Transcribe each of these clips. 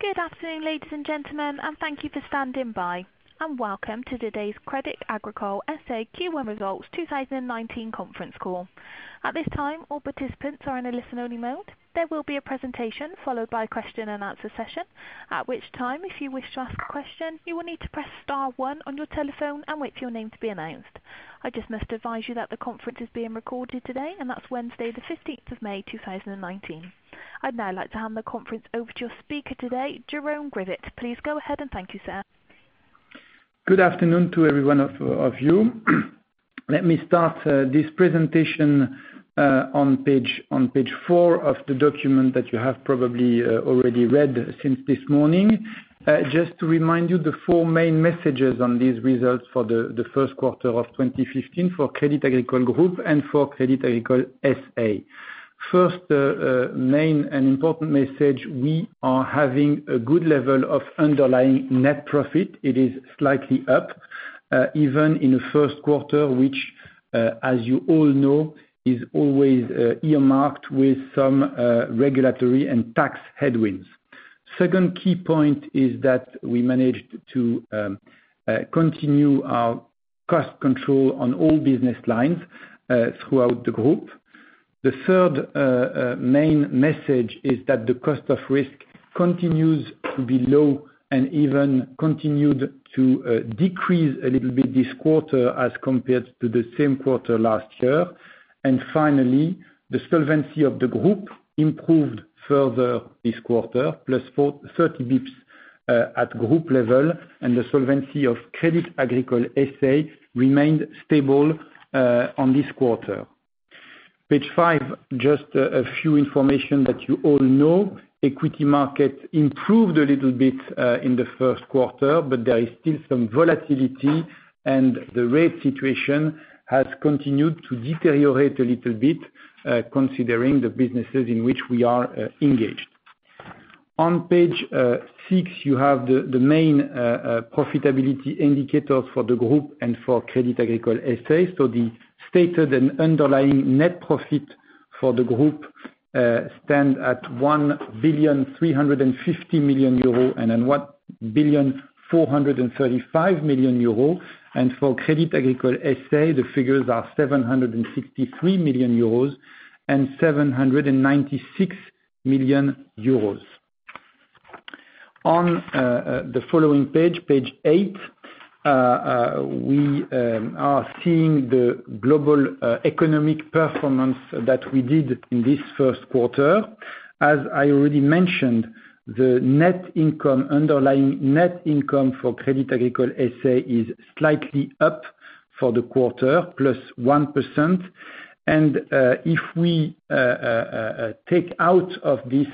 Good afternoon, ladies and gentlemen, thank you for standing by. Welcome to today's Crédit Agricole S.A. Q1 Results 2019 conference call. At this time, all participants are in a listen-only mode. There will be a presentation followed by a question and answer session. At which time, if you wish to ask a question, you will need to press star one on your telephone and wait for your name to be announced. I just must advise you that the conference is being recorded today, Wednesday the 15th of May 2019. I'd now like to hand the conference over to your speaker today, Jérôme Grivet. Please go ahead, thank you, sir. Good afternoon to every one of you. Let me start this presentation on page four of the document that you have probably already read since this morning. Just to remind you, the four main messages on these results for the first quarter of 2015 for Crédit Agricole Group and for Crédit Agricole S.A. First main and important message, we are having a good level of underlying net profit. It is slightly up, even in the first quarter, which, as you all know, is always earmarked with some regulatory and tax headwinds. Second key point is that we managed to continue our cost control on all business lines throughout the group. The third main message is that the cost of risk continues to be low and even continued to decrease a little bit this quarter as compared to the same quarter last year. Finally, the solvency of the group improved further this quarter, plus 30 basis points at group level, the solvency of Crédit Agricole S.A. remained stable on this quarter. Page five, just a few information that you all know. Equity market improved a little bit in the first quarter, but there is still some volatility, and the rate situation has continued to deteriorate a little bit, considering the businesses in which we are engaged. On page six, you have the main profitability indicators for the group and for Crédit Agricole S.A. The stated and underlying net profit for the group stand at 1,350 million euro EUR and 1,435 million euro. For Crédit Agricole S.A., the figures are 763 million euros and 796 million euros. On the following page eight, we are seeing the global economic performance that we did in this first quarter. As I already mentioned, the net income, underlying net income for Crédit Agricole S.A. is slightly up for the quarter, plus 1%. If we take out of this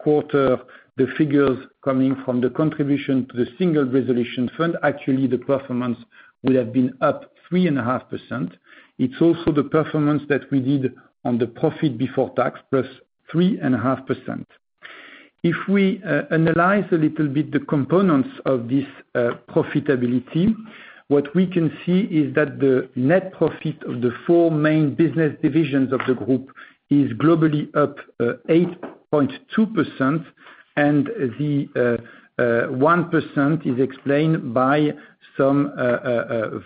quarter the figures coming from the contribution to the Single Resolution Fund, actually the performance will have been up 3.5%. It's also the performance that we did on the profit before tax, plus 3.5%. If we analyze a little bit the components of this profitability, what we can see is that the net profit of the four main business divisions of the group is globally up 8.2%. The 1% is explained by some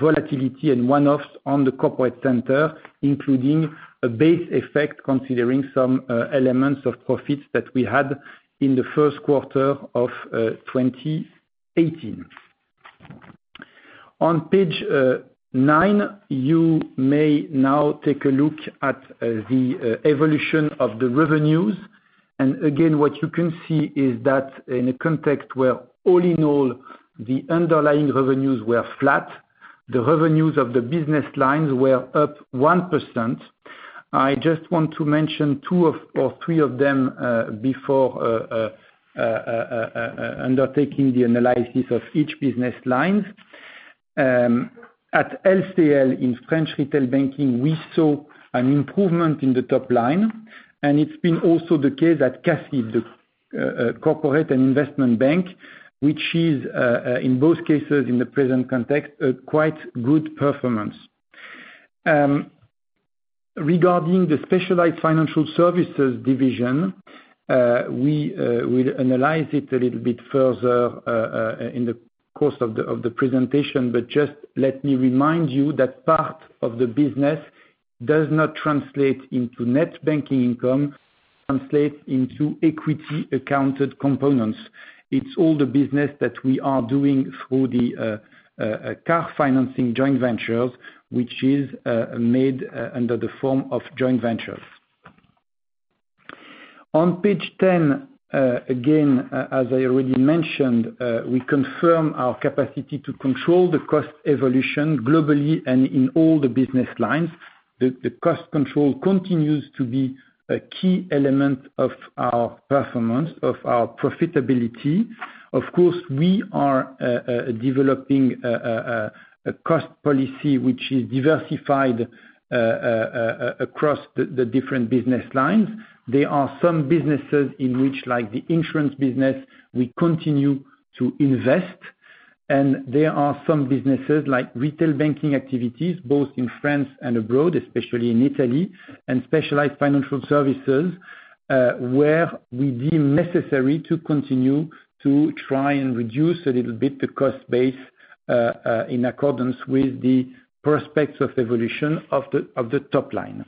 volatility and one-offs on the corporate center, including a base effect, considering some elements of profits that we had in the first quarter of 2018. On page nine, you may now take a look at the evolution of the revenues. Again, what you can see is that in a context where all in all, the underlying revenues were flat, the revenues of the business lines were up 1%. I just want to mention two or three of them before undertaking the analysis of each business lines. At LCL, in French retail banking, we saw an improvement in the top line, and it's been also the case at CACEIS, the corporate and investment bank, which is, in both cases, in the present context, a quite good performance. Regarding the specialized financial services division, we'll analyze it a little bit further in the course of the presentation, but just let me remind you that part of the business does not translate into net banking income, translates into equity accounted components. It's all the business that we are doing through the car financing joint ventures, which is made under the form of joint ventures. On page 10, again, as I already mentioned, we confirm our capacity to control the cost evolution globally and in all the business lines. The cost control continues to be a key element of our performance, of our profitability. Of course, we are developing a cost policy which is diversified across the different business lines. There are some businesses in which, like the insurance business, we continue to invest. And there are some businesses like retail banking activities both in France and abroad, especially in Italy and specialized financial services, where we deem necessary to continue to try and reduce a little bit the cost base, in accordance with the prospects of evolution of the top line.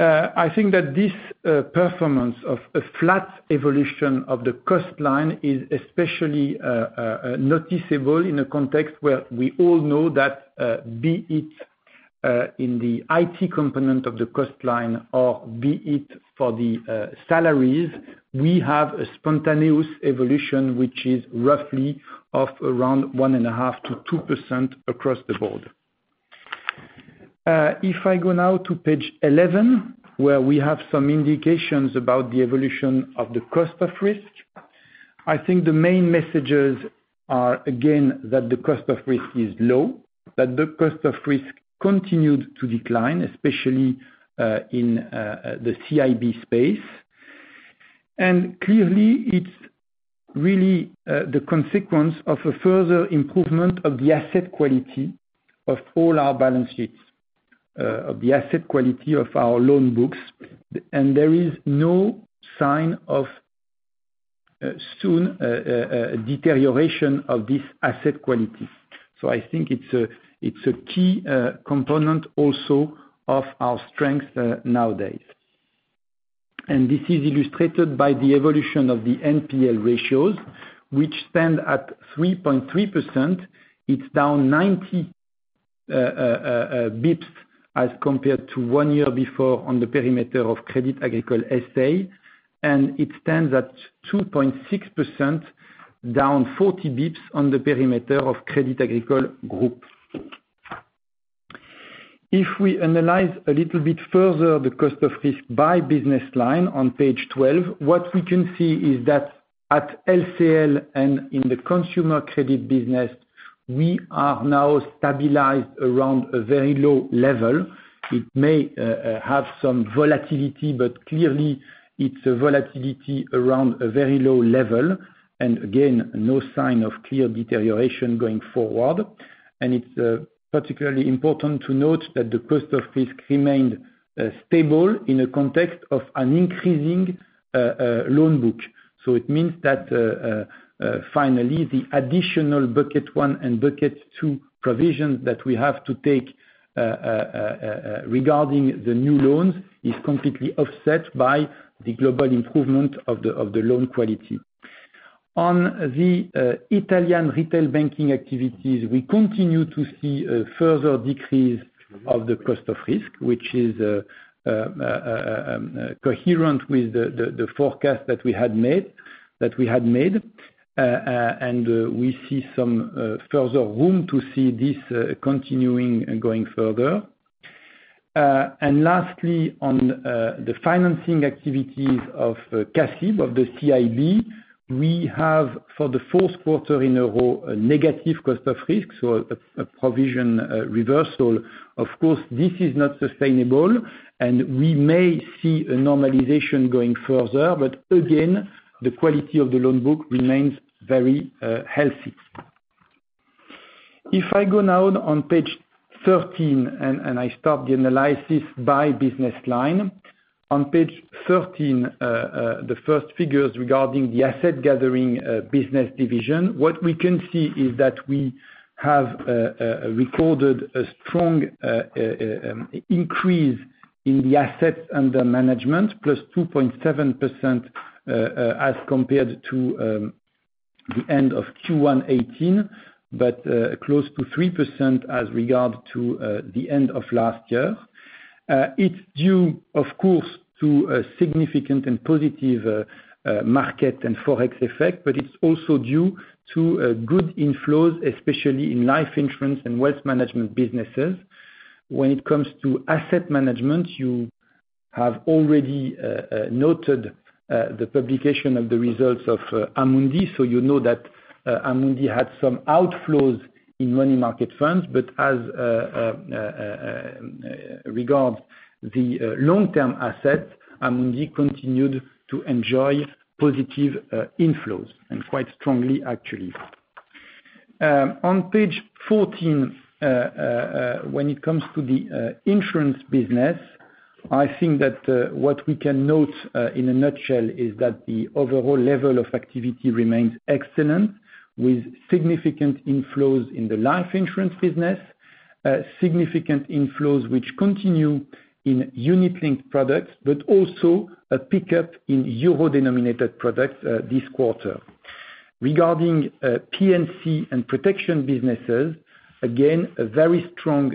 I think that this performance of a flat evolution of the cost line is especially noticeable in a context where we all know that, be it in the IT component of the cost line or be it for the salaries, we have a spontaneous evolution, which is roughly of around 1.5% to 2% across the board. If I go now to page 11, where we have some indications about the evolution of the cost of risk. I think the main messages are, again, that the cost of risk is low, that the cost of risk continued to decline, especially in the CIB space. Clearly, it's really the consequence of a further improvement of the asset quality of all our balance sheets, of the asset quality of our loan books, and there is no sign of soon deterioration of this asset quality. I think it's a key component also of our strength nowadays. This is illustrated by the evolution of the NPL ratios, which stand at 3.3%. It's down 90 basis points as compared to one year before on the perimeter of Crédit Agricole S.A., and it stands at 2.6%, down 40 basis points on the perimeter of Crédit Agricole Group. If we analyze a little bit further the cost of risk by business line on page 12, what we can see is that at LCL and in the consumer credit business, we are now stabilized around a very low level. It may have some volatility, but clearly, it's a volatility around a very low level, and again, no sign of clear deterioration going forward. It's particularly important to note that the cost of risk remained stable in a context of an increasing loan book. It means that, finally, the additional bucket 1 and bucket 2 provisions that we have to take regarding the new loans is completely offset by the global improvement of the loan quality. On the Italian retail banking activities, we continue to see a further decrease of the cost of risk, which is coherent with the forecast that we had made. We see some further room to see this continuing and going further. Lastly, on the financing activities of CACIB, of the CIB, we have, for the 4th quarter in a row, a negative cost of risk, so a provision reversal. Of course, this is not sustainable, and we may see a normalization going further. But again, the quality of the loan book remains very healthy. If I go now on page 13, I start the analysis by business line. Page 13, the first figures regarding the asset gathering business division, what we can see is that we have recorded a strong increase in the assets under management, +2.7% as compared to the end of Q1 2018, but close to 3% as regard to the end of last year. It's due, of course, to a significant and positive market and Forex effect, but it's also due to good inflows, especially in life insurance and wealth management businesses. When it comes to asset management, you have already noted the publication of the results of Amundi, so you know that Amundi had some outflows in money market funds. But as regard the long-term assets, Amundi continued to enjoy positive inflows, and quite strongly, actually. Page 14, when it comes to the insurance business, I think that what we can note in a nutshell is that the overall level of activity remains excellent, with significant inflows in the life insurance business, significant inflows which continue in unit-linked products, but also a pickup in euro-denominated products this quarter. Regarding P&C and protection businesses, again, a very strong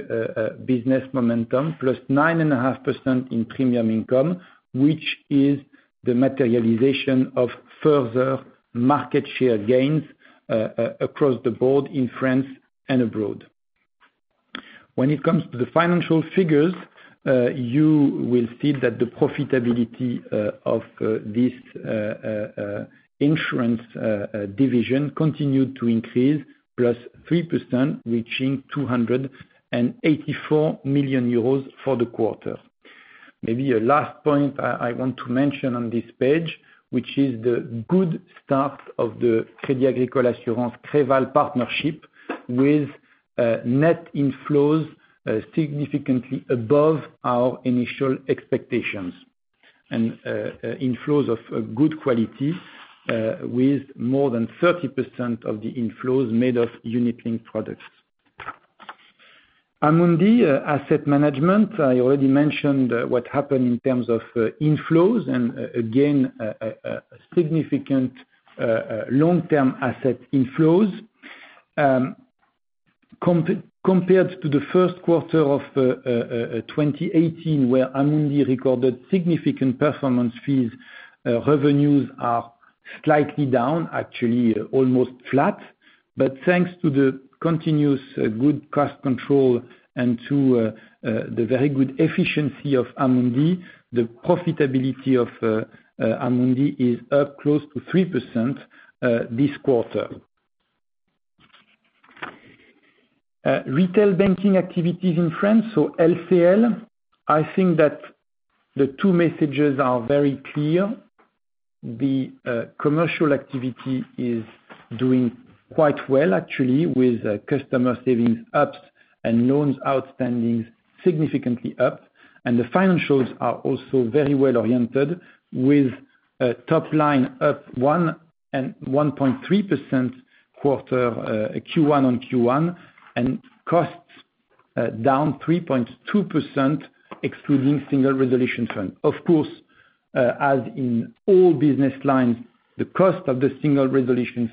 business momentum, +9.5% in premium income, which is the materialization of further market share gains across the board in France and abroad. When it comes to the financial figures, you will see that the profitability of this insurance division continued to increase, +3%, reaching 284 million euros for the quarter. Maybe a last point I want to mention on this page, which is the good start of the Crédit Agricole Assurances Creval partnership with net inflows significantly above our initial expectations. Inflows of good quality, with more than 30% of the inflows made of unit-linked products. Amundi Asset Management, I already mentioned what happened in terms of inflows and again, significant long-term asset inflows. Compared to the first quarter of 2018, where Amundi recorded significant performance fees, revenues are slightly down. Actually, almost flat. But thanks to the continuous good cost control and to the very good efficiency of Amundi, the profitability of Amundi is up +3% this quarter. Retail banking activities in France, LCL, I think that the two messages are very clear. The commercial activity is doing quite well, actually, with customer savings up and loans outstanding significantly up, and the financials are also very well-oriented, with top line up +1.3% Q1 on Q1, and costs down 3.2%, excluding Single Resolution Fund. Of course, as in all business lines, the cost of the Single Resolution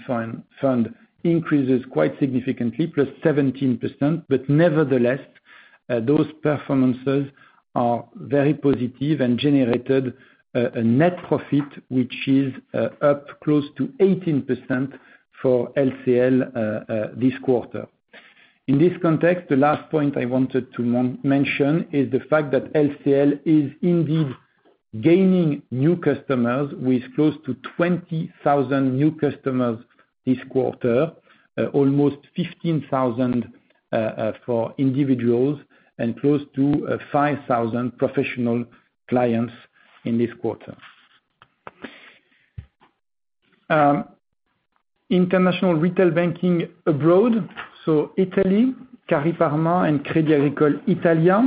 Fund increases quite significantly, +17%. Nevertheless, those performances are very positive and generated a net profit which is up close to 18% for LCL this quarter. In this context, the last point I wanted to mention is the fact that LCL is indeed gaining new customers with close to 20,000 new customers this quarter. Almost 15,000 for individuals and close to 5,000 professional clients in this quarter. International retail banking abroad, so Italy, Cariparma, and Crédit Agricole Italia.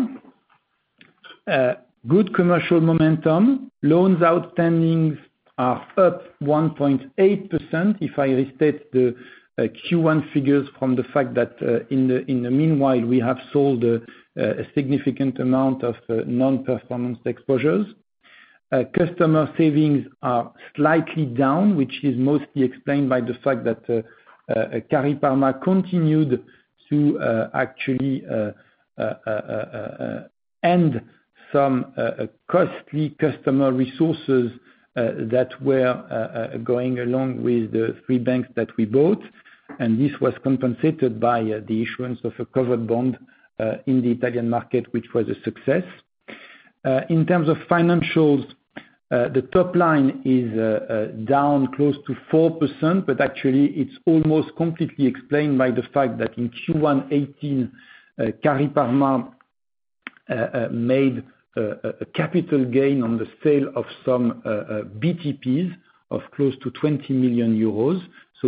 Good commercial momentum. Loans outstandings are up 1.8%, if I restate the Q1 figures from the fact that in the meanwhile, we have sold a significant amount of non-performance exposures. Customer savings are slightly down, which is mostly explained by the fact that Cariparma continued to actually end some costly customer resources that were going along with the 3 banks that we bought, and this was compensated by the issuance of a covered bond in the Italian market, which was a success. In terms of financials, the top line is down close to 4%. Actually, it's almost completely explained by the fact that in Q1 2018, Cariparma made a capital gain on the sale of some BTPs of close to 20 million euros.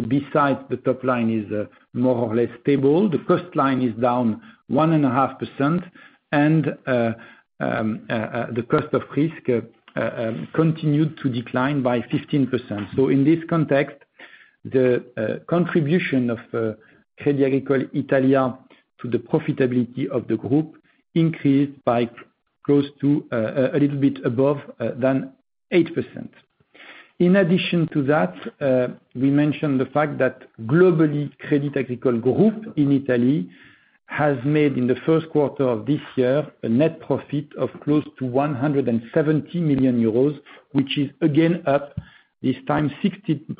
Besides, the top line is more or less stable. The first line is down 1.5% and the cost of risk continued to decline by 15%. In this context, the contribution of Crédit Agricole Italia to the profitability of the Group increased by a little bit above than 8%. In addition to that, we mentioned the fact that globally, Crédit Agricole Group in Italy has made in the first quarter of this year a net profit of close to 170 million euros, which is again up, this time 16%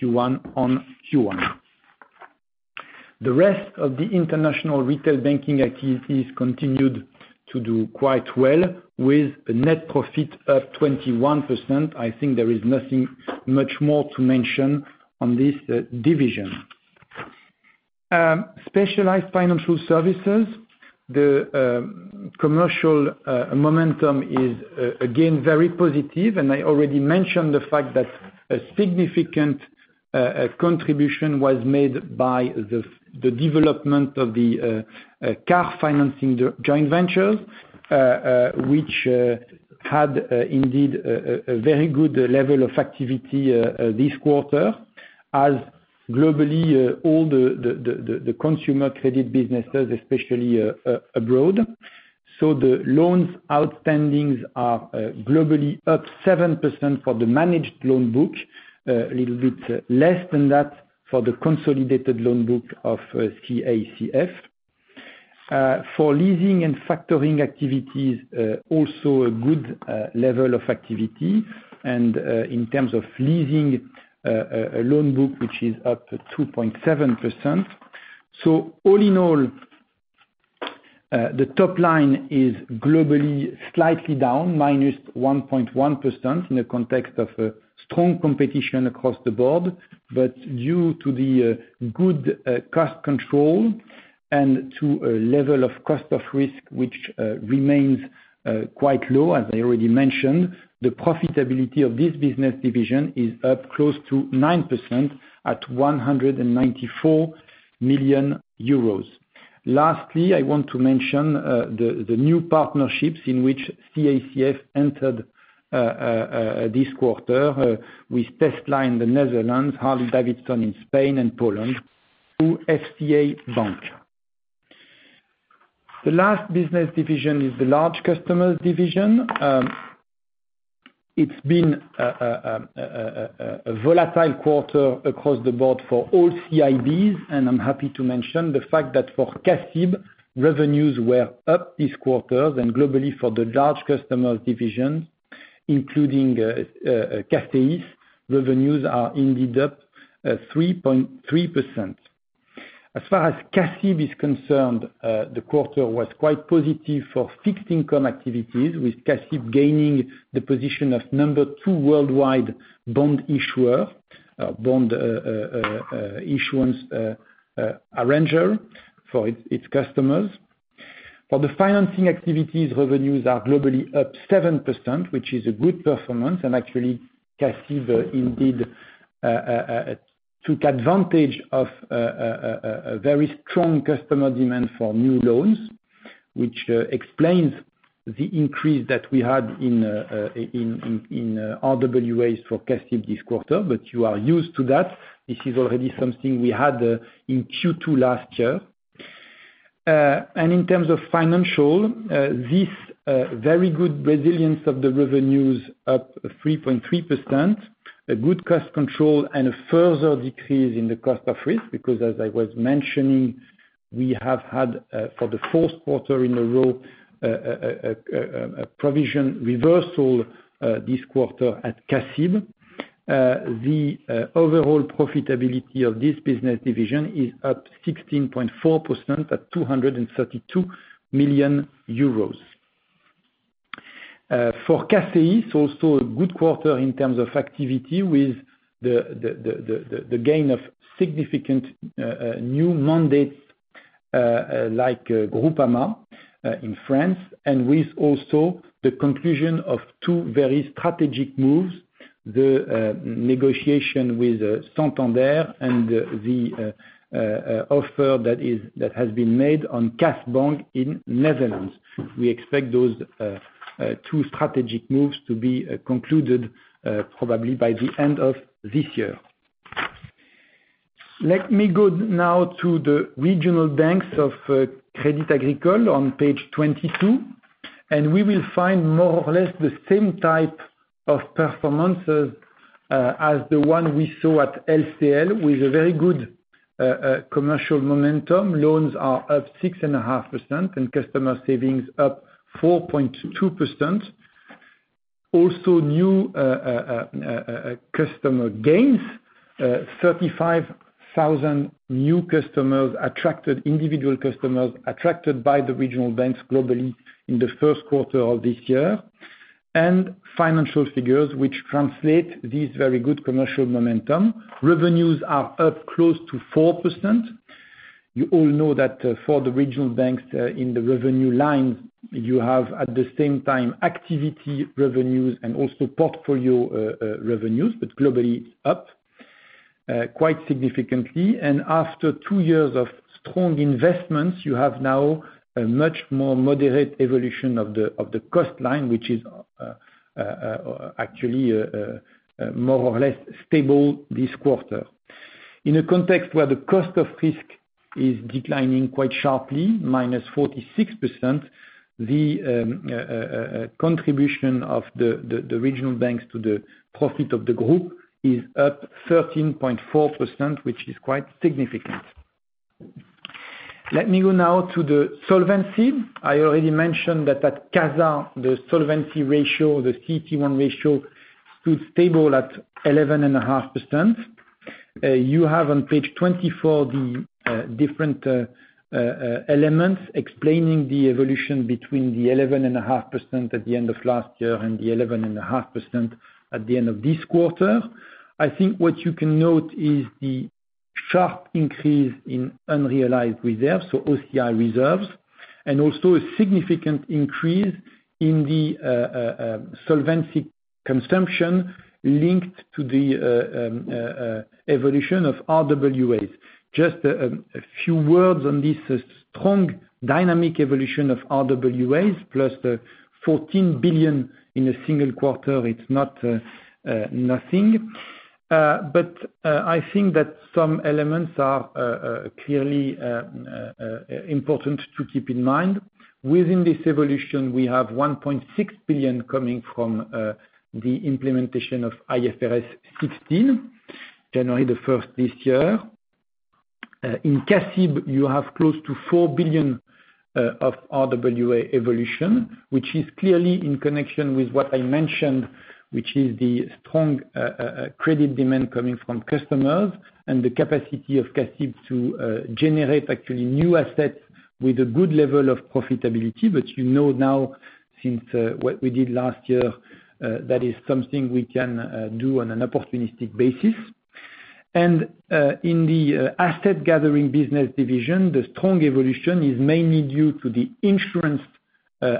Q1 on Q1. The rest of the international retail banking activities continued to do quite well with a net profit of 21%. I think there is nothing much more to mention on this division. Specialized Financial Services. The commercial momentum is again very positive, and I already mentioned the fact that a significant contribution was made by the development of the car financing joint ventures, which had indeed a very good level of activity this quarter as globally, all the consumer credit businesses, especially abroad. The loans outstandings are globally up 7% for the managed loan book. A little bit less than that for the consolidated loan book of CACF. For leasing and factoring activities, also a good level of activity. And in terms of leasing, a loan book which is up 2.7%. All in all. The top line is globally slightly down -1.1% in the context of strong competition across the board. Due to the good cost control and to a level of cost of risk, which remains quite low, as I already mentioned, the profitability of this business division is up close to 9% at 194 million euros. Lastly, I want to mention the new partnerships in which CACF entered this quarter with TESLA, the Netherlands, Harley-Davidson in Spain and Poland, through FCA Bank. The last business division is the Large Customers Division. It has been a volatile quarter across the board for all CIBs, and I am happy to mention the fact that for CACIB, revenues were up this quarter. Globally for the large customers division, including CACEIS, revenues are indeed up 3.3%. As far as CACIB is concerned, the quarter was quite positive for fixed income activities, with CACIB gaining the position of number 2 worldwide bond issuer, bond issuance arranger for its customers. For the financing activities, revenues are globally up 7%, which is a good performance, and actually, CACIB indeed took advantage of a very strong customer demand for new loans, which explains the increase that we had in RWAs for CACIB this quarter, but you are used to that. This is already something we had in Q2 last year. In terms of financial, this very good resilience of the revenues up 3.3%, a good cost control, and a further decrease in the cost of risk, because as I was mentioning, we have had for the fourth quarter in a row, a provision reversal this quarter at CACIB. The overall profitability of this business division is up 16.4% at EUR 232 million. For CACEIS, also a good quarter in terms of activity with the gain of significant new mandates like Groupama in France, and with also the conclusion of two very strategic moves, the negotiation with Santander and the offer that has been made on KAS Bank in Netherlands. We expect those two strategic moves to be concluded probably by the end of this year. Let me go now to the regional banks of Crédit Agricole on page 22, and we will find more or less the same type of performances as the one we saw at LCL, with a very good commercial momentum. Loans are up 6.5% and customer savings up 4.2%. Also new customer gains, 35,000 new individual customers attracted by the regional banks globally in the first quarter of this year. Financial figures which translate this very good commercial momentum. Revenues are up close to 4%. You all know that for the regional banks in the revenue line, you have at the same time activity revenues and also portfolio revenues, but globally up quite significantly. After two years of strong investments, you have now a much more moderate evolution of the cost line, which is actually more or less stable this quarter. In a context where the cost of risk is declining quite sharply, -46%, the contribution of the regional banks to the profit of the group is up 13.4%, which is quite significant. Let me go now to the solvency. I already mentioned that at CASA, the solvency ratio, the CET1 ratio, stood stable at 11.5%. You have on page 24 the different elements explaining the evolution between the 11.5% at the end of last year and the 11.5% at the end of this quarter. I think what you can note is the sharp increase in unrealized reserves, so OCI reserves, and also a significant increase in the solvency consumption linked to the evolution of RWAs. Just a few words on this strong dynamic evolution of RWAs plus 14 billion in a single quarter, it is not nothing. But I think that some elements are clearly important to keep in mind. Within this evolution, we have 1.6 billion coming from the implementation of IFRS 16, January 1st this year. In CACIB, you have close to 4 billion of RWA evolution, which is clearly in connection with what I mentioned, which is the strong credit demand coming from customers and the capacity of CACIB to generate actually new assets with a good level of profitability. You know now, since what we did last year, that is something we can do on an opportunistic basis. In the asset gathering business division, the strong evolution is mainly due to the insurance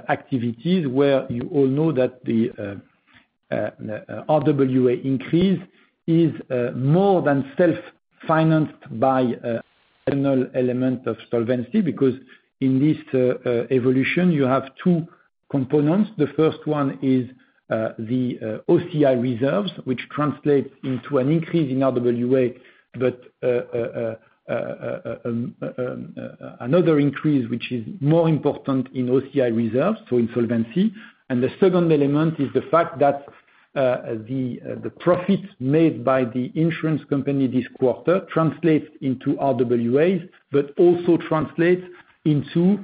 activities where you all know that the RWA increase is more than self-financed by an internal element of solvency, because in this evolution, you have two components. The first one is the OCI reserves, which translates into an increase in RWA, but another increase, which is more important in OCI reserves, so in solvency. The second element is the fact that the profits made by the insurance company this quarter translates into RWAs, but also translates into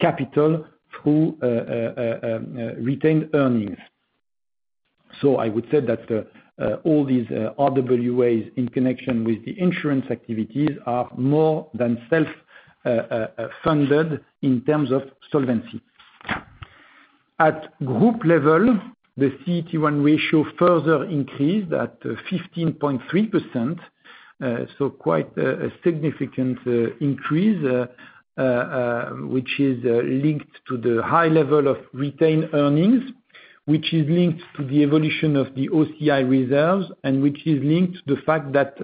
capital through retained earnings. I would say that all these RWAs in connection with the insurance activities are more than self-funded in terms of solvency. At group level, the CET1 ratio further increased at 15.3%. Quite a significant increase, which is linked to the high level of retained earnings, which is linked to the evolution of the OCI reserves, and which is linked to the fact that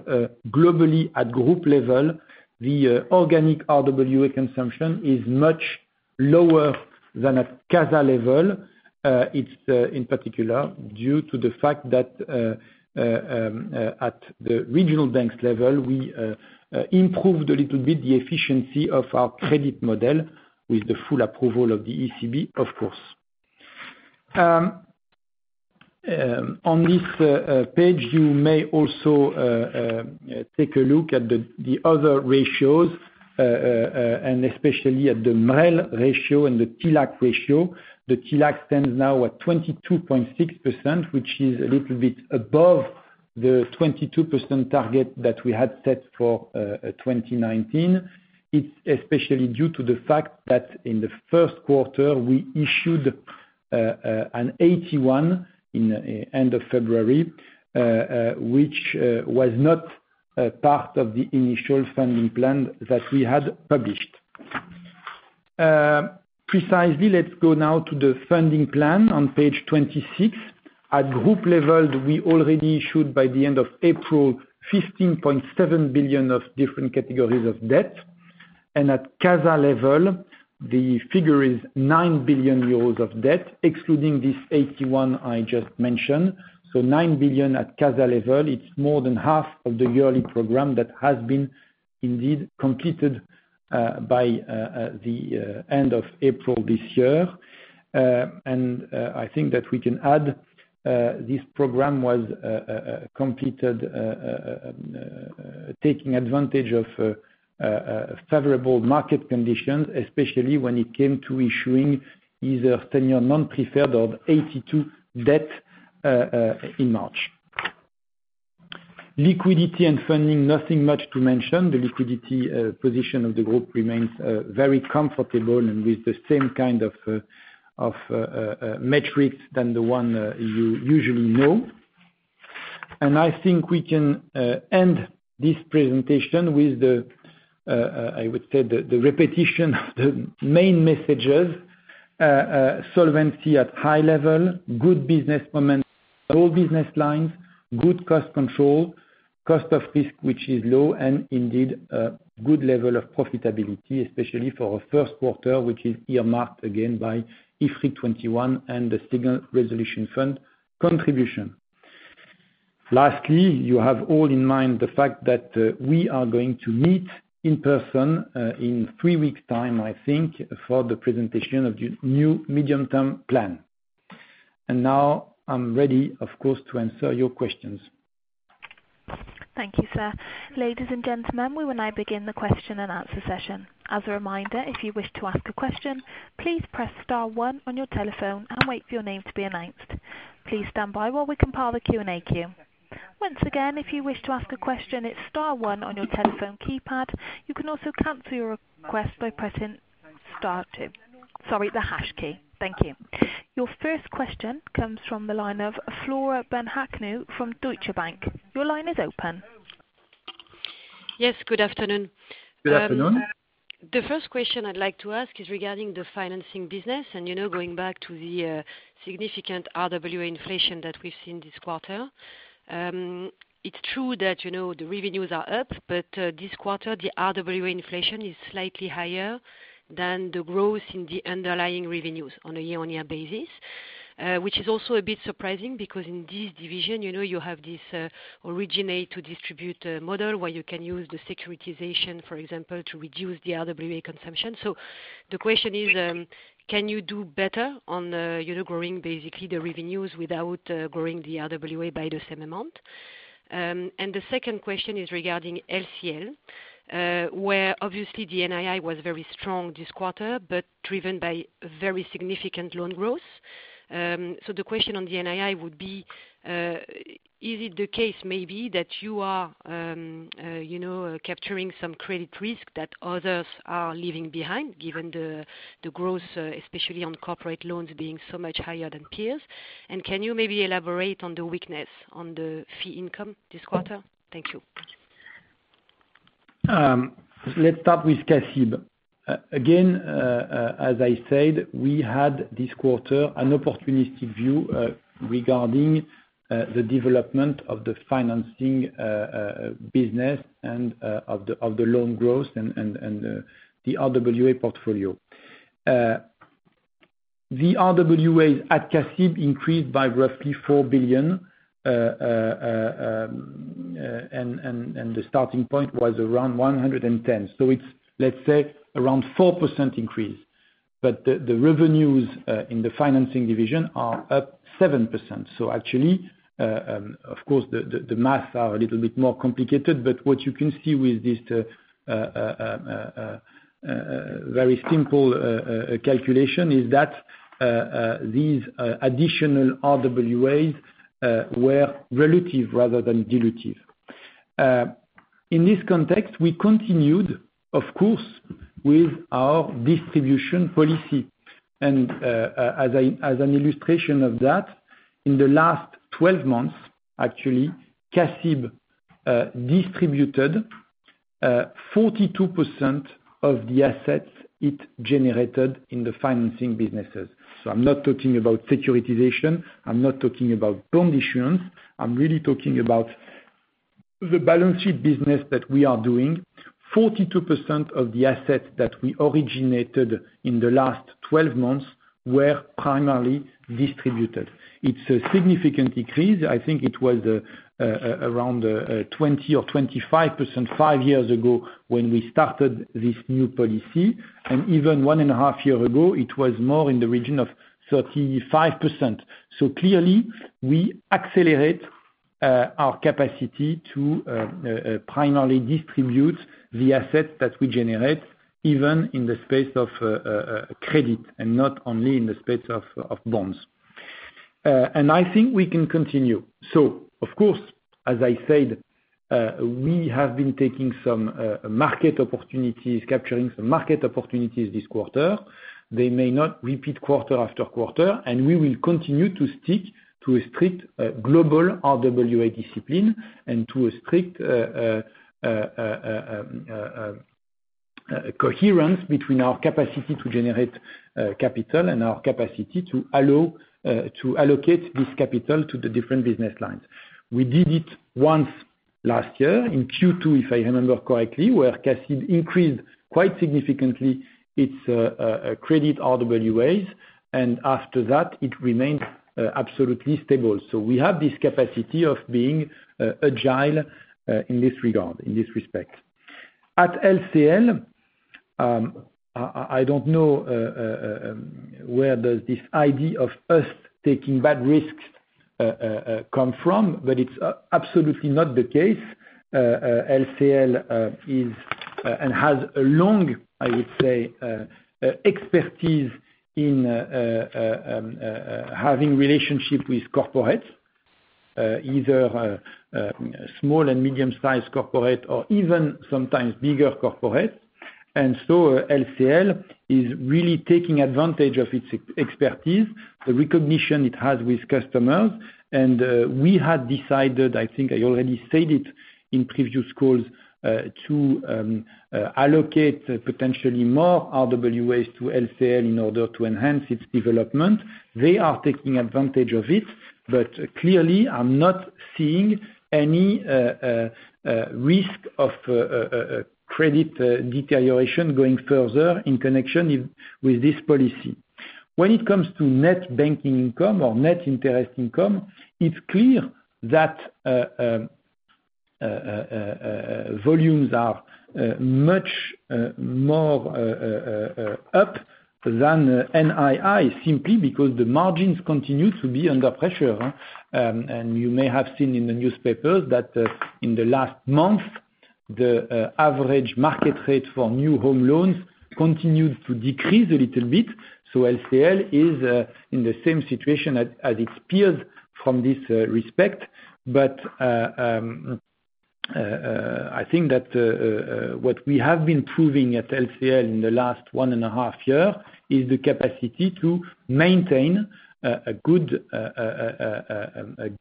globally at group level, the organic RWA consumption is much lower than at CASA level. It's in particular due to the fact that at the regional banks level, we improved a little bit the efficiency of our credit model with the full approval of the ECB, of course. On this page, you may also take a look at the other ratios, especially at the MREL ratio and the TLAC ratio. The TLAC stands now at 22.6%, which is a little bit above the 22% target that we had set for 2019. It's especially due to the fact that in the first quarter, we issued an AT1 in end of February, which was not part of the initial funding plan that we had published. Precisely, let's go now to the funding plan on page 26. At group level, we already issued by the end of April, 15.7 billion of different categories of debt. At CASA level, the figure is 9 billion euros of debt, excluding this AT1 I just mentioned. 9 billion at CASA level, it's more than half of the yearly program that has been indeed completed by the end of April this year. I think that we can add this program was completed taking advantage of favorable market conditions, especially when it came to issuing either 10-year non-preferred or AT2 debt in March. Liquidity and funding, nothing much to mention. The liquidity position of the group remains very comfortable and with the same kind of metrics than the one you usually know. I think we can end this presentation with the, I would say, the repetition of the main messages. Solvency at high level, good business momentum, all business lines, good cost control, cost of risk, which is low, indeed, good level of profitability, especially for our first quarter, which is earmarked again by IFRIC 21 and the Single Resolution Fund contribution. Lastly, you have all in mind the fact that we are going to meet in person in three weeks' time, I think, for the presentation of the new medium-term plan. Now I'm ready, of course, to answer your questions. Thank you, sir. Ladies and gentlemen, we will now begin the question-and-answer session. As a reminder, if you wish to ask a question, please press star one on your telephone and wait for your name to be announced. Please stand by while we compile the Q&A queue. Once again, if you wish to ask a question, it's star one on your telephone keypad. You can also cancel your request by pressing star two. Sorry, the hash key. Thank you. Your first question comes from the line of Flora Bocahut from Deutsche Bank. Your line is open. Yes, good afternoon. Good afternoon. The first question I'd like to ask is regarding the financing business and going back to the significant RWA inflation that we've seen this quarter. It's true that the revenues are up, but this quarter, the RWA inflation is slightly higher than the growth in the underlying revenues on a year-on-year basis, which is also a bit surprising because in this division, you have this originate-to-distribute model where you can use the securitization, for example, to reduce the RWA consumption. The question is, can you do better on growing basically the revenues without growing the RWA by the same amount? The second question is regarding LCL, where obviously the NII was very strong this quarter, but driven by very significant loan growth. The question on the NII would be, is it the case maybe that you are capturing some credit risk that others are leaving behind, given the growth, especially on corporate loans being so much higher than peers? Can you maybe elaborate on the weakness on the fee income this quarter? Thank you. Let's start with CACIB. Again, as I said, we had this quarter an opportunistic view regarding the development of the financing business and of the loan growth and the RWA portfolio. The RWAs at CACIB increased by roughly 4 billion, and the starting point was around 110 billion. It's, let's say, around 4% increase. The revenues in the financing division are up 7%. Actually, of course, the math are a little bit more complicated, but what you can see with this very simple calculation is that these additional RWAs were relative rather than dilutive. In this context, we continued, of course, with our distribution policy. As an illustration of that, in the last 12 months, actually, CACIB distributed 42% of the assets it generated in the financing businesses. I'm not talking about securitization, I'm not talking about bond issuance. I'm really talking about the balance sheet business that we are doing. 42% of the assets that we originated in the last 12 months were primarily distributed. It's a significant increase. I think it was around 20% or 25% 5 years ago when we started this new policy, and even one and a half year ago, it was more in the region of 35%. Clearly we accelerate our capacity to primarily distribute the assets that we generate, even in the space of credit, and not only in the space of bonds. I think we can continue. Of course, as I said, we have been taking some market opportunities, capturing some market opportunities this quarter. They may not repeat quarter after quarter, and we will continue to stick to a strict global RWA discipline and to a strict coherence between our capacity to generate capital, and our capacity to allocate this capital to the different business lines. We did it once last year in Q2, if I remember correctly, where CIB increased quite significantly its credit RWAs. After that, it remained absolutely stable. We have this capacity of being agile in this regard, in this respect. At LCL, I don't know where this idea of us taking bad risks come from, but it's absolutely not the case. LCL is, and has a long, I would say, expertise in having relationship with corporates, either small and medium-sized corporate or even sometimes bigger corporate. LCL is really taking advantage of its expertise, the recognition it has with customers. We had decided, I think I already said it in previous calls, to allocate potentially more RWAs to LCL in order to enhance its development. They are taking advantage of it, but clearly I'm not seeing any risk of credit deterioration going further in connection with this policy. When it comes to net banking income or net interest income, it's clear that volumes are much more up than NII, simply because the margins continue to be under pressure. You may have seen in the newspaper that in the last month, the average market rate for new home loans continued to decrease a little bit. LCL is in the same situation as its peers from this respect. I think that what we have been proving at LCL in the last one and a half year is the capacity to maintain a good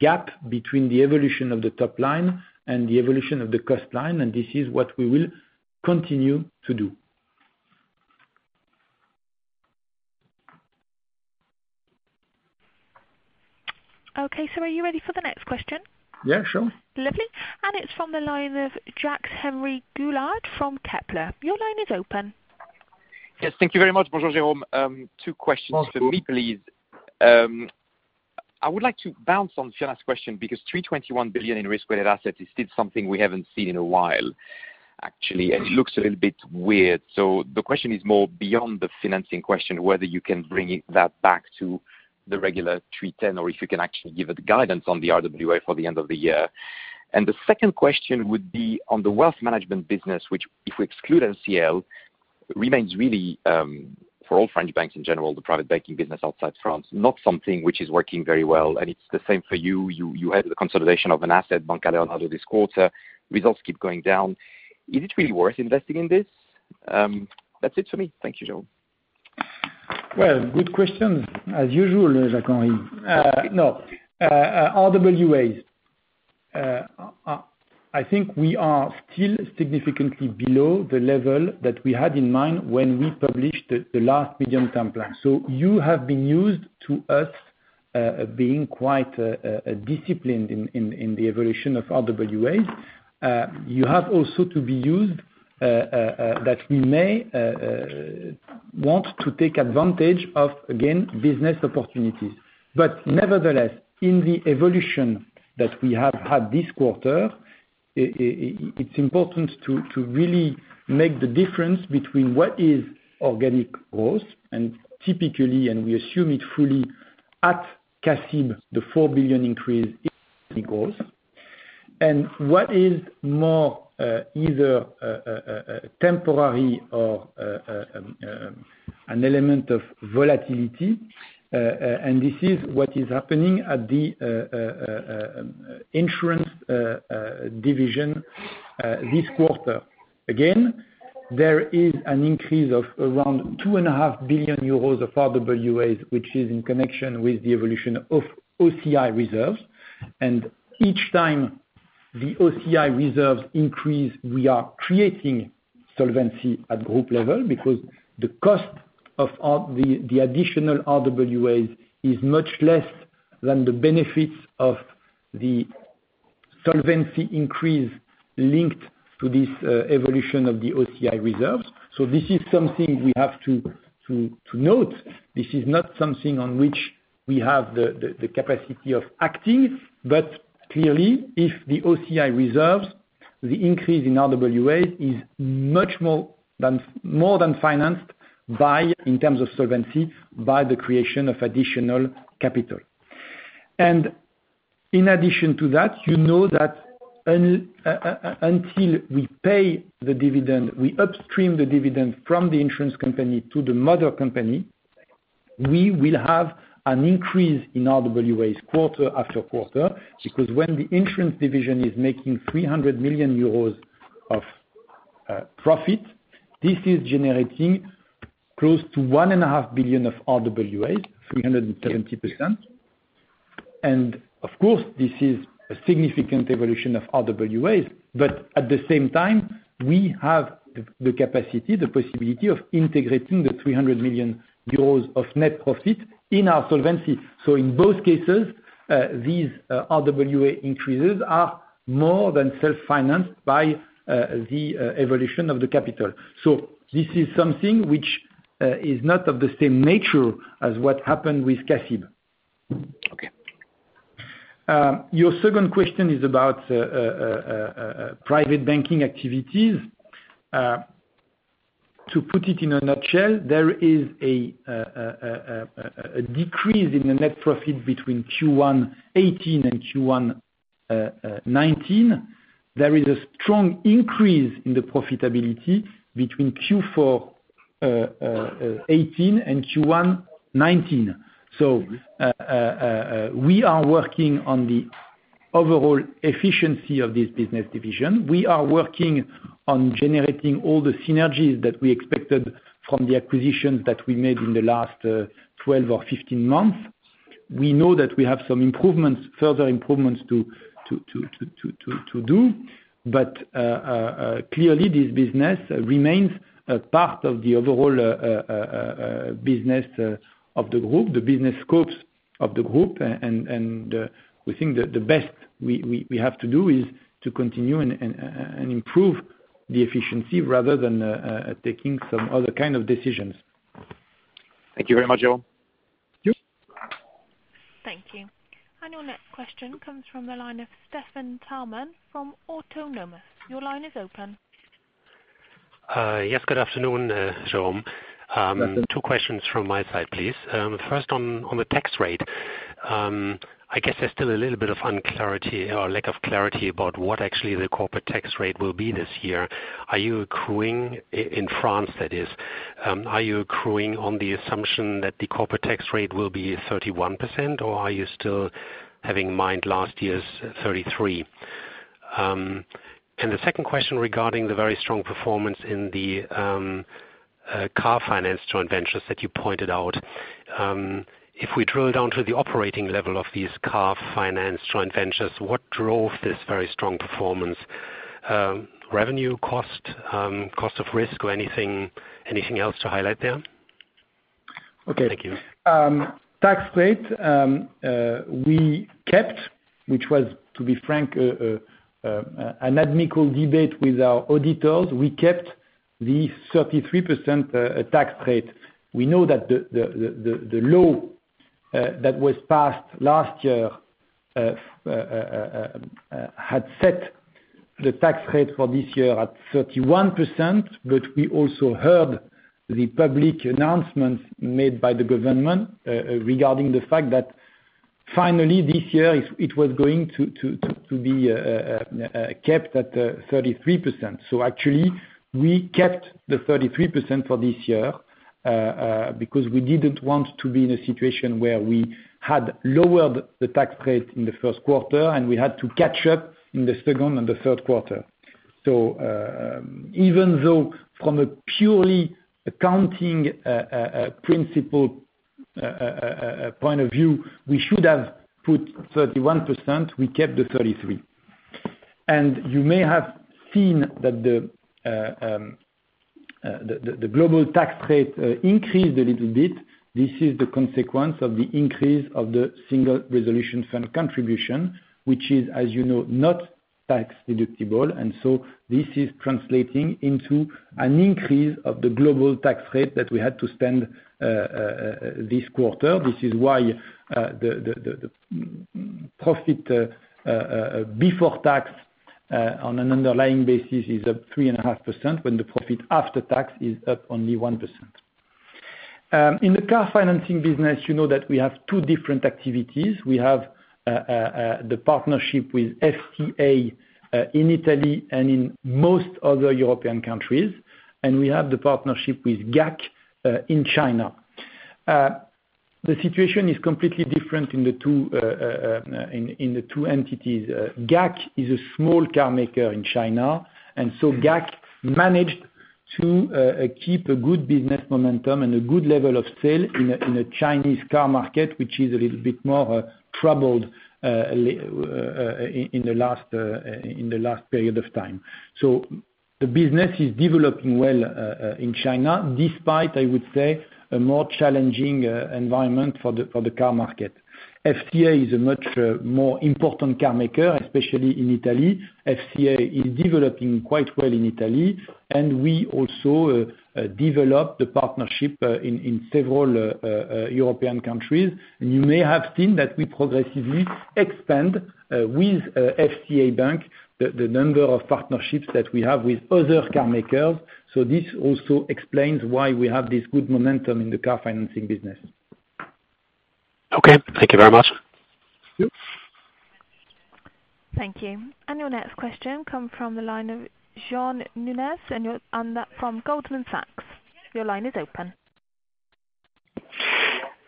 gap between the evolution of the top line and the evolution of the cost line, and this is what we will continue to do. Okay. Are you ready for the next question? Yeah, sure. Lovely. It's from the line of Jacques-Henri Gaulard from Kepler Cheuvreux. Your line is open. Yes. Thank you very much. Bonjour, Jérôme. Two questions from me, please. I would like to bounce on Flora's question because 321 billion in risk-weighted assets is still something we haven't seen in a while. Actually, it looks a little bit weird. The question is more beyond the financing question, whether you can bring that back to the regular 310, or if you can actually give a guidance on the RWA for the end of the year. The second question would be on the wealth management business, which if we exclude LCL, remains really, for all French banks in general, the private banking business outside France, not something which is working very well, and it's the same for you. You had the consolidation of an asset, Banca Leonardo, this quarter. Results keep going down. Is it really worth investing in this? That's it for me. Thank you, Jérôme. Well, good question as usual, Jacques-Henri. RWAs. I think we are still significantly below the level that we had in mind when we published the last medium-term plan. You have been used to us, being quite disciplined in the evolution of RWAs. You have also to be used, that we may want to take advantage of, again, business opportunities. Nevertheless, in the evolution that we have had this quarter, it's important to really make the difference between what is organic growth and typically, and we assume it fully at CACIB, the 4 billion increase in gross, and what is more either temporary or an element of volatility. This is what is happening at the insurance division this quarter. Again, there is an increase of around 2.5 billion euros of RWAs, which is in connection with the evolution of OCI reserves. Each time the OCI reserves increase, we are creating solvency at group level because the cost of the additional RWAs is much less than the benefits of the solvency increase linked to this evolution of the OCI reserves. This is something we have to note. This is not something on which we have the capacity of acting, but clearly if the OCI reserves, the increase in RWA is much more than financed by, in terms of solvency, by the creation of additional capital. In addition to that, you know that until we pay the dividend, we upstream the dividend from the insurance company to the mother company, we will have an increase in RWAs quarter after quarter, because when the insurance division is making 300 million euros of profit, this is generating close to 1.5 billion of RWA, 370%. Of course, this is a significant evolution of RWAs. At the same time, we have the capacity, the possibility of integrating the 300 million euros of net profit in our solvency. In both cases, these RWA increases are more than self-financed by the evolution of the capital. This is something which is not of the same nature as what happened with Cassid. Okay. Your second question is about private banking activities. To put it in a nutshell, there is a decrease in the net profit between Q1 2018 and Q1 2019. There is a strong increase in the profitability between Q4 2018 and Q1 2019. We are working on the overall efficiency of this business division. We are working on generating all the synergies that we expected from the acquisitions that we made in the last 12 or 15 months. We know that we have some further improvements to do. Clearly, this business remains a part of the overall business of the group, the business scopes of the group, and we think that the best we have to do is to continue and improve the efficiency rather than taking some other kind of decisions. Thank you very much, Jérôme. Sure. Thank you. Your next question comes from the line of Stefan Stalmann from Autonomous Research. Your line is open. Yes, good afternoon, Jérôme. Good afternoon. Two questions from my side, please. First on the tax rate. I guess there's still a little bit of unclarity or lack of clarity about what actually the corporate tax rate will be this year. Are you accruing, in France that is, are you accruing on the assumption that the corporate tax rate will be 31%, or are you still having in mind last year's 33%? The second question regarding the very strong performance in the car finance joint ventures that you pointed out. If we drill down to the operating level of these car finance joint ventures, what drove this very strong performance? Revenue cost of risk, or anything else to highlight there? Okay. Thank you. Tax rate, we kept, which was, to be frank, an amicable debate with our auditors. We kept the 33% tax rate. We know that the law that was passed last year, had set the tax rate for this year at 31%, but we also heard the public announcements made by the government regarding the fact that finally this year it was going to be kept at 33%. Actually, we kept the 33% for this year, because we didn't want to be in a situation where we had lowered the tax rate in the first quarter, and we had to catch up in the second and the third quarter. Even though from a purely accounting principle, point of view, we should have put 31%, we kept the 33%. You may have seen that the global tax rate increased a little bit. This is the consequence of the increase of the Single Resolution Fund contribution, which is, as you know, not tax deductible. This is translating into an increase of the global tax rate that we had to spend this quarter, which is why the profit before tax, on an underlying basis is up 3.5% when the profit after tax is up only 1%. In the car financing business, you know that we have two different activities. We have the partnership with FCA in Italy and in most other European countries. We have the partnership with GAC in China. The situation is completely different in the two entities. GAC is a small car maker in China. GAC managed to keep a good business momentum and a good level of sale in a Chinese car market, which is a little bit more troubled in the last period of time. The business is developing well in China despite, I would say, a more challenging environment for the car market. FCA is a much more important car maker, especially in Italy. FCA is developing quite well in Italy, and we also develop the partnership in several European countries. You may have seen that we progressively expand with FCA Bank, the number of partnerships that we have with other car makers, so this also explains why we have this good momentum in the car financing business. Okay. Thank you very much. Yep. Thank you. Your next question come from the line of John Nunez, from Goldman Sachs. Your line is open.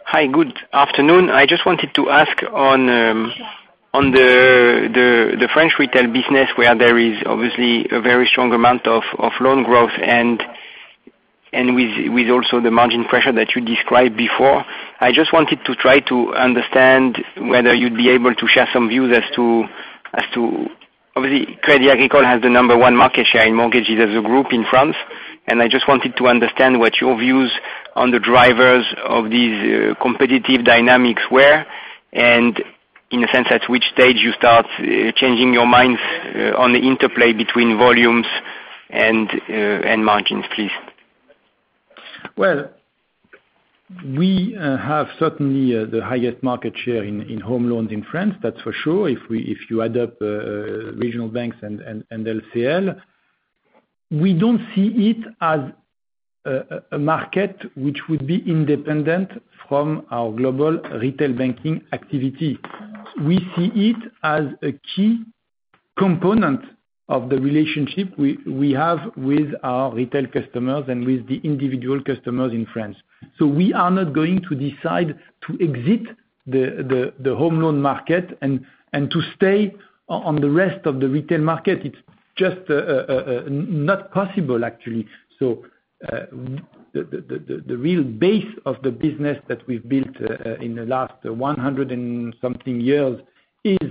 Hi, good afternoon. I just wanted to ask on the French retail business, where there is obviously a very strong amount of loan growth and with also the margin pressure that you described before. I just wanted to try to understand whether you'd be able to share some views. Obviously, Crédit Agricole has the number 1 market share in mortgages as a group in France, and I just wanted to understand what your views on the drivers of these competitive dynamics were, and in a sense, at which stage you start changing your minds on the interplay between volumes and margins, please. Well, we have certainly the highest market share in home loans in France, that's for sure, if you add up regional banks and LCL. We don't see it as a market which would be independent from our global retail banking activity. We see it as a key component of the relationship we have with our retail customers and with the individual customers in France. We are not going to decide to exit the home loan market and to stay on the rest of the retail market. It's just not possible, actually. The real base of the business that we've built in the last 100 and something years is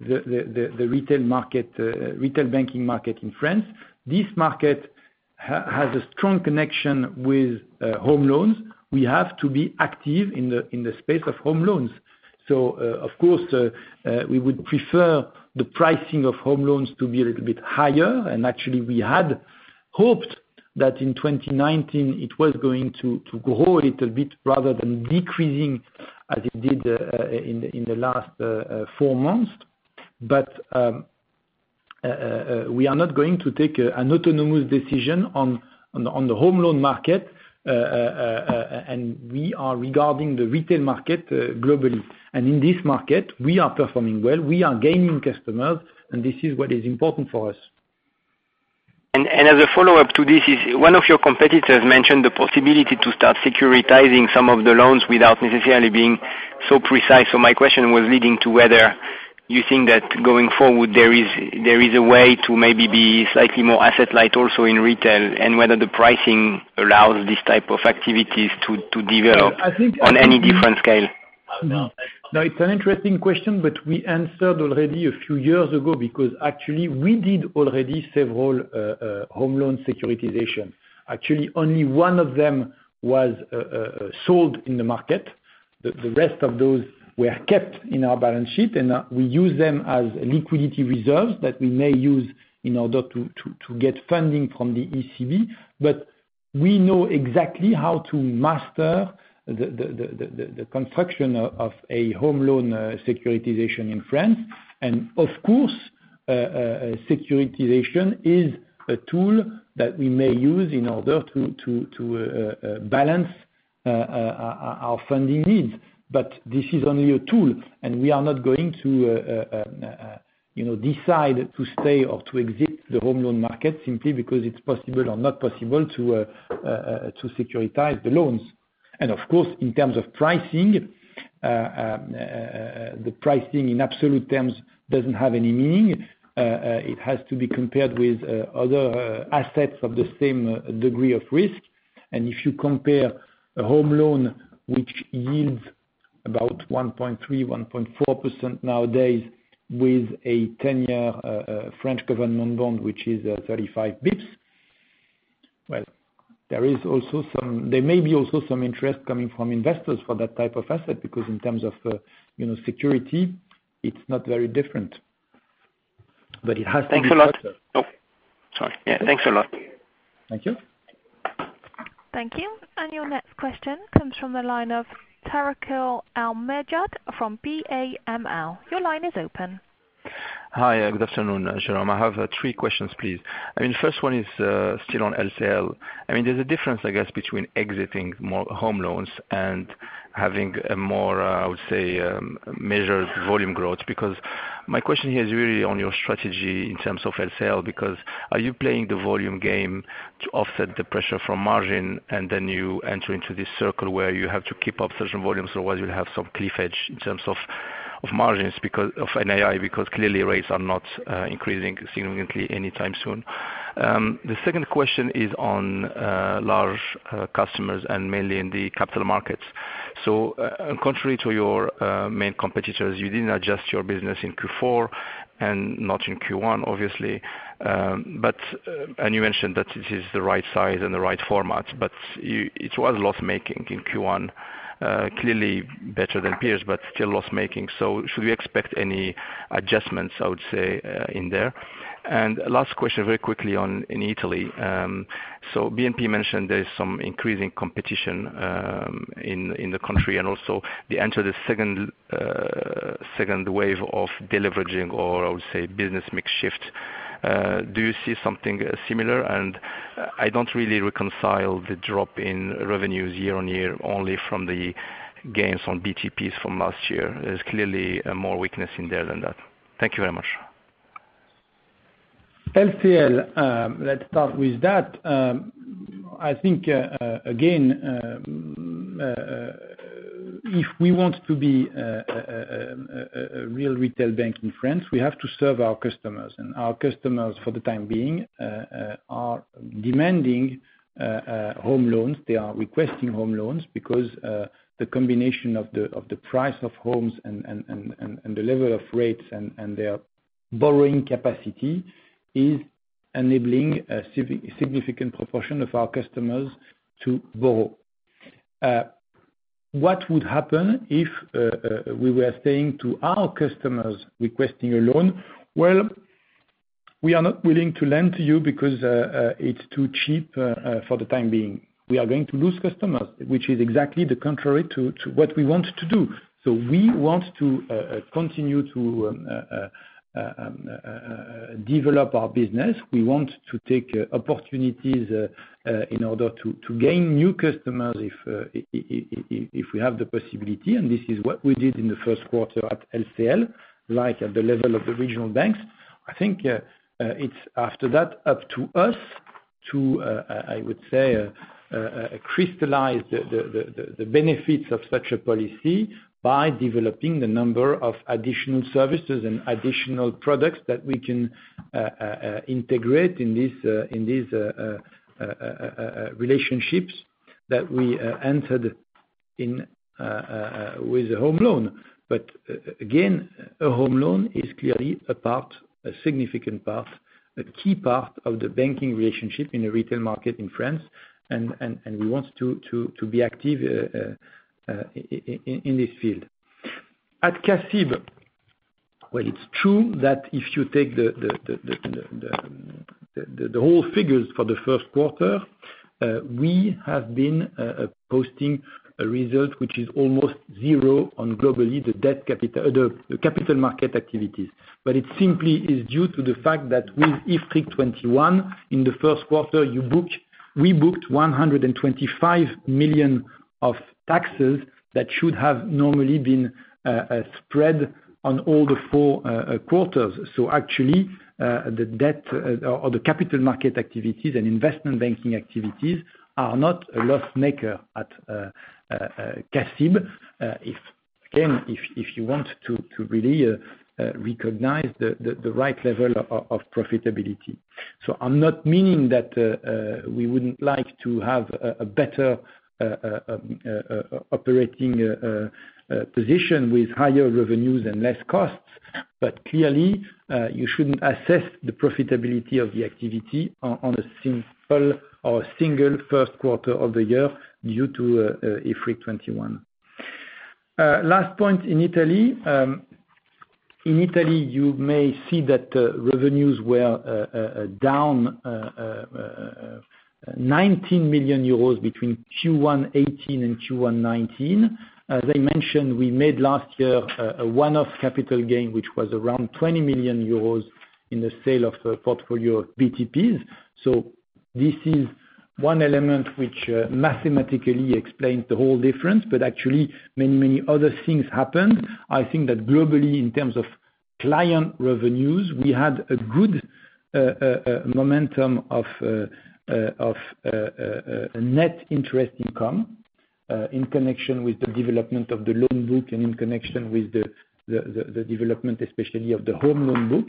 the retail banking market in France. This market has a strong connection with home loans. We have to be active in the space of home loans. Of course, we would prefer the pricing of home loans to be a little bit higher. Actually, we had hoped that in 2019 it was going to grow a little bit rather than decreasing as it did in the last four months. We are not going to take an autonomous decision on the home loan market. We are regarding the retail market globally. In this market, we are performing well, we are gaining customers, and this is what is important for us. As a follow-up to this is, one of your competitors mentioned the possibility to start securitizing some of the loans without necessarily being so precise. My question was leading to whether you think that going forward, there is a way to maybe be slightly more asset light also in retail, and whether the pricing allows these type of activities to develop. I think. On any different scale. No, it's an interesting question. We answered already a few years ago because actually we did already several home loan securitization. Actually, only one of them was sold in the market. The rest of those were kept in our balance sheet, and we use them as liquidity reserves that we may use in order to get funding from the ECB. We know exactly how to master the construction of a home loan securitization in France. Of course, securitization is a tool that we may use in order to balance our funding needs. This is only a tool, and we are not going to decide to stay or to exit the home loan market simply because it's possible or not possible to securitize the loans. Of course, in terms of pricing, the pricing in absolute terms doesn't have any meaning. It has to be compared with other assets of the same degree of risk. If you compare a home loan, which yields about 1.3%, 1.4% nowadays with a 10-year French government bond, which is 35 basis points, well, there may be also some interest coming from investors for that type of asset, because in terms of security, it's not very different. It has to be- Thanks a lot. Oh, sorry. Yeah, thanks a lot. Thank you. Thank you. Your next question comes from the line of Tarik El Mejjad from BAML. Your line is open. Hi, good afternoon, Jérôme. I have three questions, please. First one is still on LCL. There's a difference, I guess, between exiting home loans and having a more, I would say, measured volume growth, because my question here is really on your strategy in terms of LCL, because are you playing the volume game to offset the pressure from margin, and then you enter into this circle where you have to keep up certain volumes, otherwise you'll have some cliff edge in terms of margins because of NII, because clearly rates are not increasing significantly anytime soon. The second question is on large customers and mainly in the capital markets. Contrary to your main competitors, you didn't adjust your business in Q4 and not in Q1, obviously. You mentioned that it is the right size and the right format, but it was loss-making in Q1, clearly better than peers, but still loss-making. Should we expect any adjustments, I would say, in there? Last question very quickly in Italy. BNP mentioned there's some increasing competition in the country and also they enter the second wave of deleveraging, or I would say business mix shift. Do you see something similar? I don't really reconcile the drop in revenues year-on-year, only from the gains on BTPs from last year. There's clearly more weakness in there than that. Thank you very much. LCL, let's start with that. I think, again, if we want to be a real retail bank in France, we have to serve our customers. Our customers, for the time being, are demanding home loans. They are requesting home loans because the combination of the price of homes and the level of rates and their borrowing capacity is enabling a significant proportion of our customers to borrow. What would happen if we were saying to our customers requesting a loan, "Well, we are not willing to lend to you because it's too cheap for the time being." We are going to lose customers, which is exactly the contrary to what we want to do. We want to continue to develop our business. We want to take opportunities in order to gain new customers if we have the possibility, this is what we did in the first quarter at LCL, at the level of the regional banks. I think it's after that, up to us to crystallize the benefits of such a policy by developing the number of additional services and additional products that we can integrate in these relationships that we entered in with a home loan. Again, a home loan is clearly a part, a significant part, a key part of the banking relationship in the retail market in France, and we want to be active in this field. At CACIB, while it's true that if you take the whole figures for the first quarter, we have been posting a result which is almost zero on globally the capital market activities. It simply is due to the fact that with IFRIC 21, in the first quarter, we booked 125 million of taxes that should have normally been spread on all the four quarters. Actually, the debt or the capital market activities and investment banking activities are not a loss maker at CACIB, again, if you want to really recognize the right level of profitability. I'm not meaning that we wouldn't like to have a better operating position with higher revenues and less costs, but clearly, you shouldn't assess the profitability of the activity on a simple or single first quarter of the year due to IFRIC 21. Last point in Italy. In Italy, you may see that revenues were down 19 million euros between Q1 2018 and Q1 2019. As I mentioned, we made last year a one-off capital gain, which was around 20 million euros in the sale of the portfolio of BTPs. This is one element which mathematically explains the whole difference. Actually many other things happened. I think that globally, in terms of client revenues, we had a good momentum of net interest income, in connection with the development of the loan book and in connection with the development especially of the home loan book.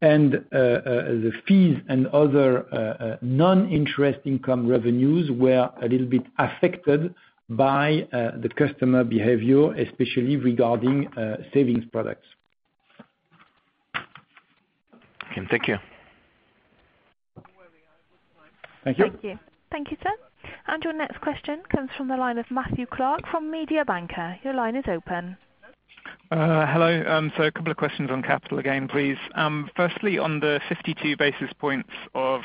The fees and other non-interest income revenues were a little bit affected by the customer behavior, especially regarding savings products. Okay. Thank you. Thank you. Thank you. Thank you, sir. Your next question comes from the line of Matthew Clark from Mediobanca. Your line is open. Hello. A couple of questions on capital again, please. Firstly, on the 52 basis points of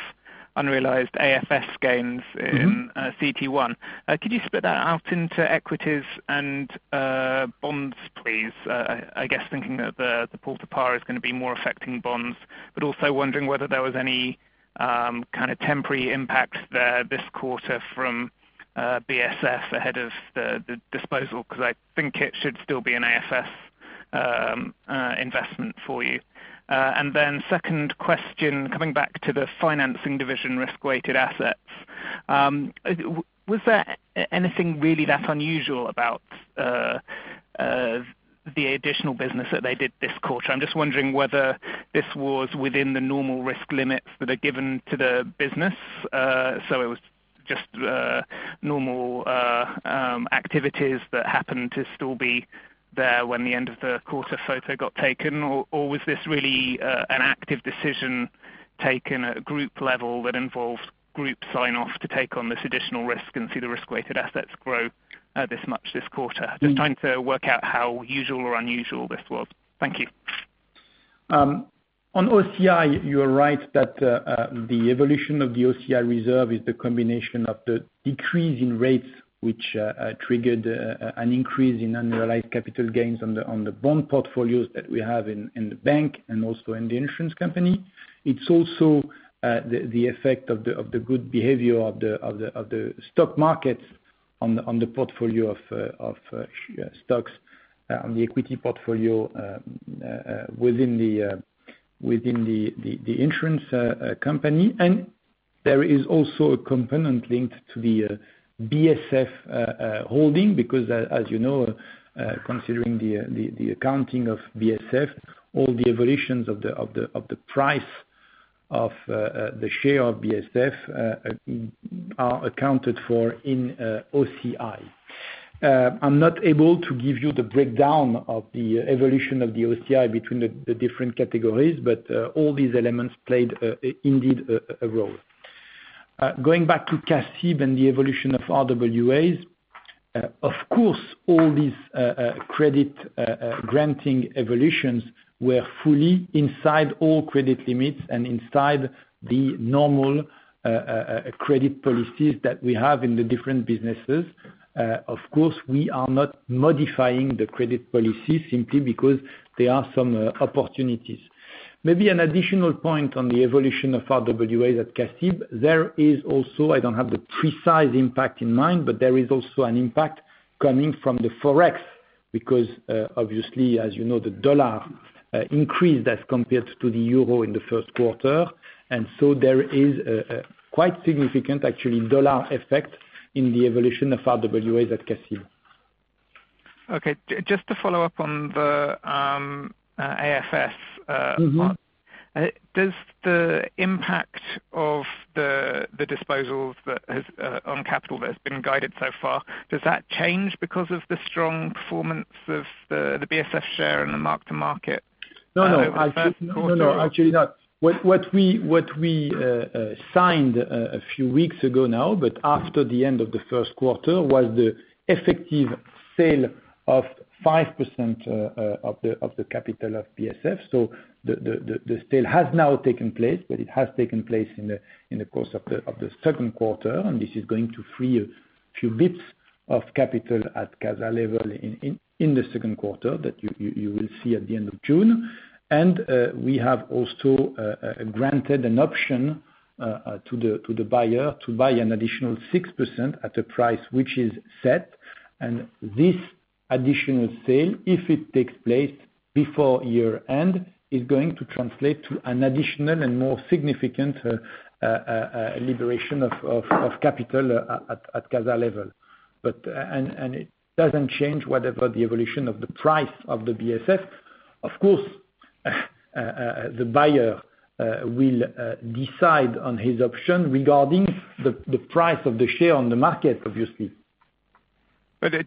unrealized AFS gains. CET1. Could you split that out into equities and bonds, please? I guess thinking that the port to par is going to be more affecting bonds, but also wondering whether there was any kind of temporary impacts there this quarter from BSF ahead of the disposal, because I think it should still be an AFS investment for you. Second question, coming back to the financing division risk-weighted assets. Was there anything really that unusual about the additional business that they did this quarter? I'm just wondering whether this was within the normal risk limits that are given to the business, so it was just normal activities that happened to still be there when the end of the quarter photo got taken? Was this really an active decision taken at group level that involved group sign-off to take on this additional risk and see the risk-weighted assets grow this much this quarter? Just trying to work out how usual or unusual this was. Thank you. On OCI, you are right that the evolution of the OCI reserve is the combination of the decrease in rates, which triggered an increase in unrealized capital gains on the bond portfolios that we have in the bank and also in the insurance company. It's also the effect of the good behavior of the stock markets on the portfolio of stocks on the equity portfolio within the insurance company. There is also a component linked to the BSF holding because, as you know, considering the accounting of BSF, all the evolutions of the price of the share of BSF are accounted for in OCI. I'm not able to give you the breakdown of the evolution of the OCI between the different categories, but all these elements played indeed a role. Going back to CACIB and the evolution of RWAs. Of course, all these credit granting evolutions were fully inside all credit limits and inside the normal credit policies that we have in the different businesses. Of course, we are not modifying the credit policies simply because there are some opportunities. Maybe an additional point on the evolution of RWA at CACIB. There is also, I don't have the precise impact in mind, but there is also an impact coming from the Forex because, obviously, as you know, the dollar increased as compared to the euro in the first quarter. There is a quite significant, actually, dollar effect in the evolution of RWAs at CACIB. Okay. Just to follow up on the AFS part. Does the impact of the disposals on capital that has been guided so far, does that change because of the strong performance of the BSF share and the mark-to-market, No. over the first quarter? No, actually not. What we signed a few weeks ago now, but after the end of the first quarter, was the effective sale of 5% of the capital of BSF. The sale has now taken place, but it has taken place in the course of the second quarter. This is going to free a few bits of capital at CASA level in the second quarter that you will see at the end of June. We have also granted an option to the buyer to buy an additional 6% at a price which is set. This additional sale, if it takes place before year-end, is going to translate to an additional and more significant liberation of capital at CASA level. It doesn't change whatever the evolution of the price of the BSF. Of course, the buyer will decide on his option regarding the price of the share on the market, obviously.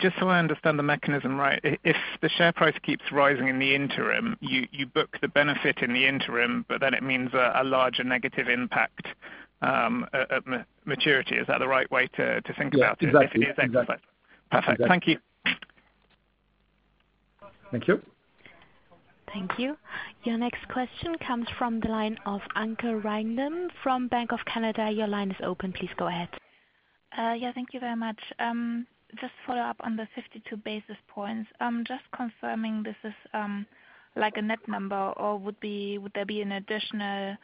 Just so I understand the mechanism, right. If the share price keeps rising in the interim, you book the benefit in the interim, but then it means a larger negative impact at maturity. Is that the right way to think about it? Yeah, exactly Perfect. Thank you. Thank you. Thank you. Your next question comes from the line of Anke Reingen from RBC Capital Markets. Your line is open. Please go ahead. Thank you very much. Just follow up on the 52 basis points. Just confirming this is like a net number, or would there be an additional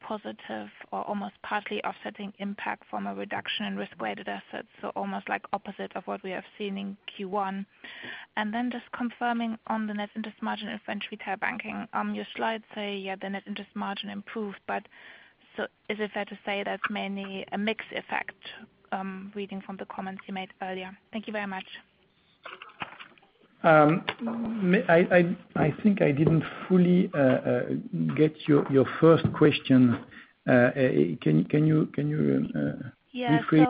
positive or almost partly offsetting impact from a reduction in risk-weighted assets, so almost like opposite of what we have seen in Q1? Just confirming on the net interest margin in French Retail Banking, your slides say the net interest margin improved, is it fair to say that's mainly a mix effect, reading from the comments you made earlier? Thank you very much. I think I didn't fully get your first question. Can you repeat?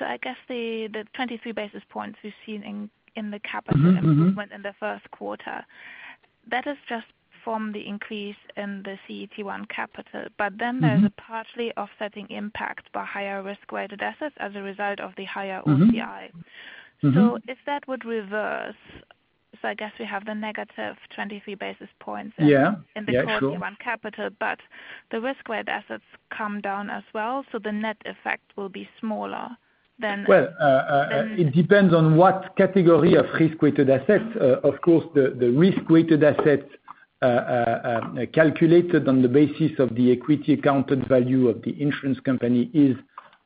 I guess the 23 basis points we've seen in the capital- improvement in the first quarter, that is just from the increase in the CET1 capital. There's a partially offsetting impact by higher risk-weighted assets as a result of the higher OCI. If that would reverse, I guess we have the negative 23 basis points. Yeah. Sure The CET1 capital, the risk-weighted assets come down as well, the net effect will be smaller. It depends on what category of risk-weighted assets. Of course, the risk-weighted assets calculated on the basis of the equity accounted value of the insurance company is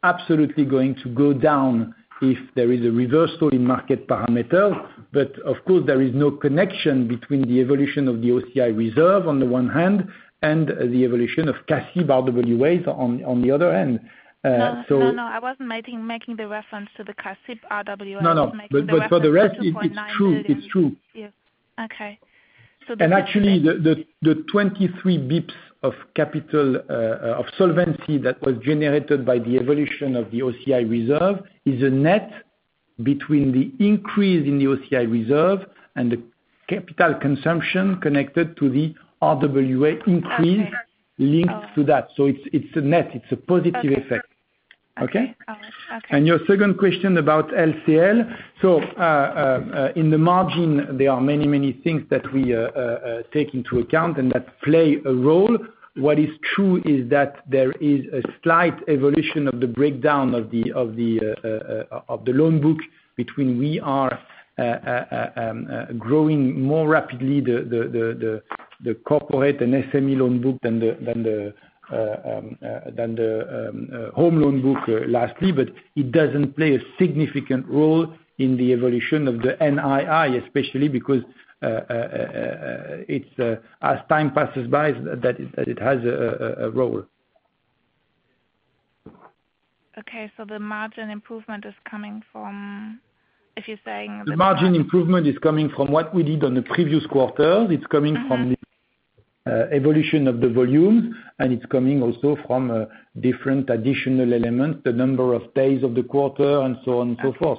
absolutely going to go down if there is a reversal in market parameter. Of course, there is no connection between the evolution of the OCI reserve on the one hand, and the evolution of CACIB by RWAs on the other hand. No, I wasn't making the reference to the CACIB RWA. No. For the rest, it's true. I was making the reference to EUR 0.9 billion. Yeah. Okay. Actually, the 23 BPs of capital, of solvency that was generated by the evolution of the OCI reserve is a net between the increase in the OCI reserve and the capital consumption connected to the RWA increase. Okay linked to that. It's a net, it's a positive effect. Okay. Got it. Okay? Okay. Your second question about LCL. In the margin, there are many things that we take into account, and that play a role. What is true is that there is a slight evolution of the breakdown of the loan book between we are growing more rapidly, the corporate and SME loan book than the home loan book lastly. It doesn't play a significant role in the evolution of the NII, especially because as time passes by, that it has a role. Okay. The margin improvement is coming from. The margin improvement is coming from what we did on the previous quarter. It's coming from the evolution of the volume, and it's coming also from different additional elements, the number of days of the quarter, and so on and so forth.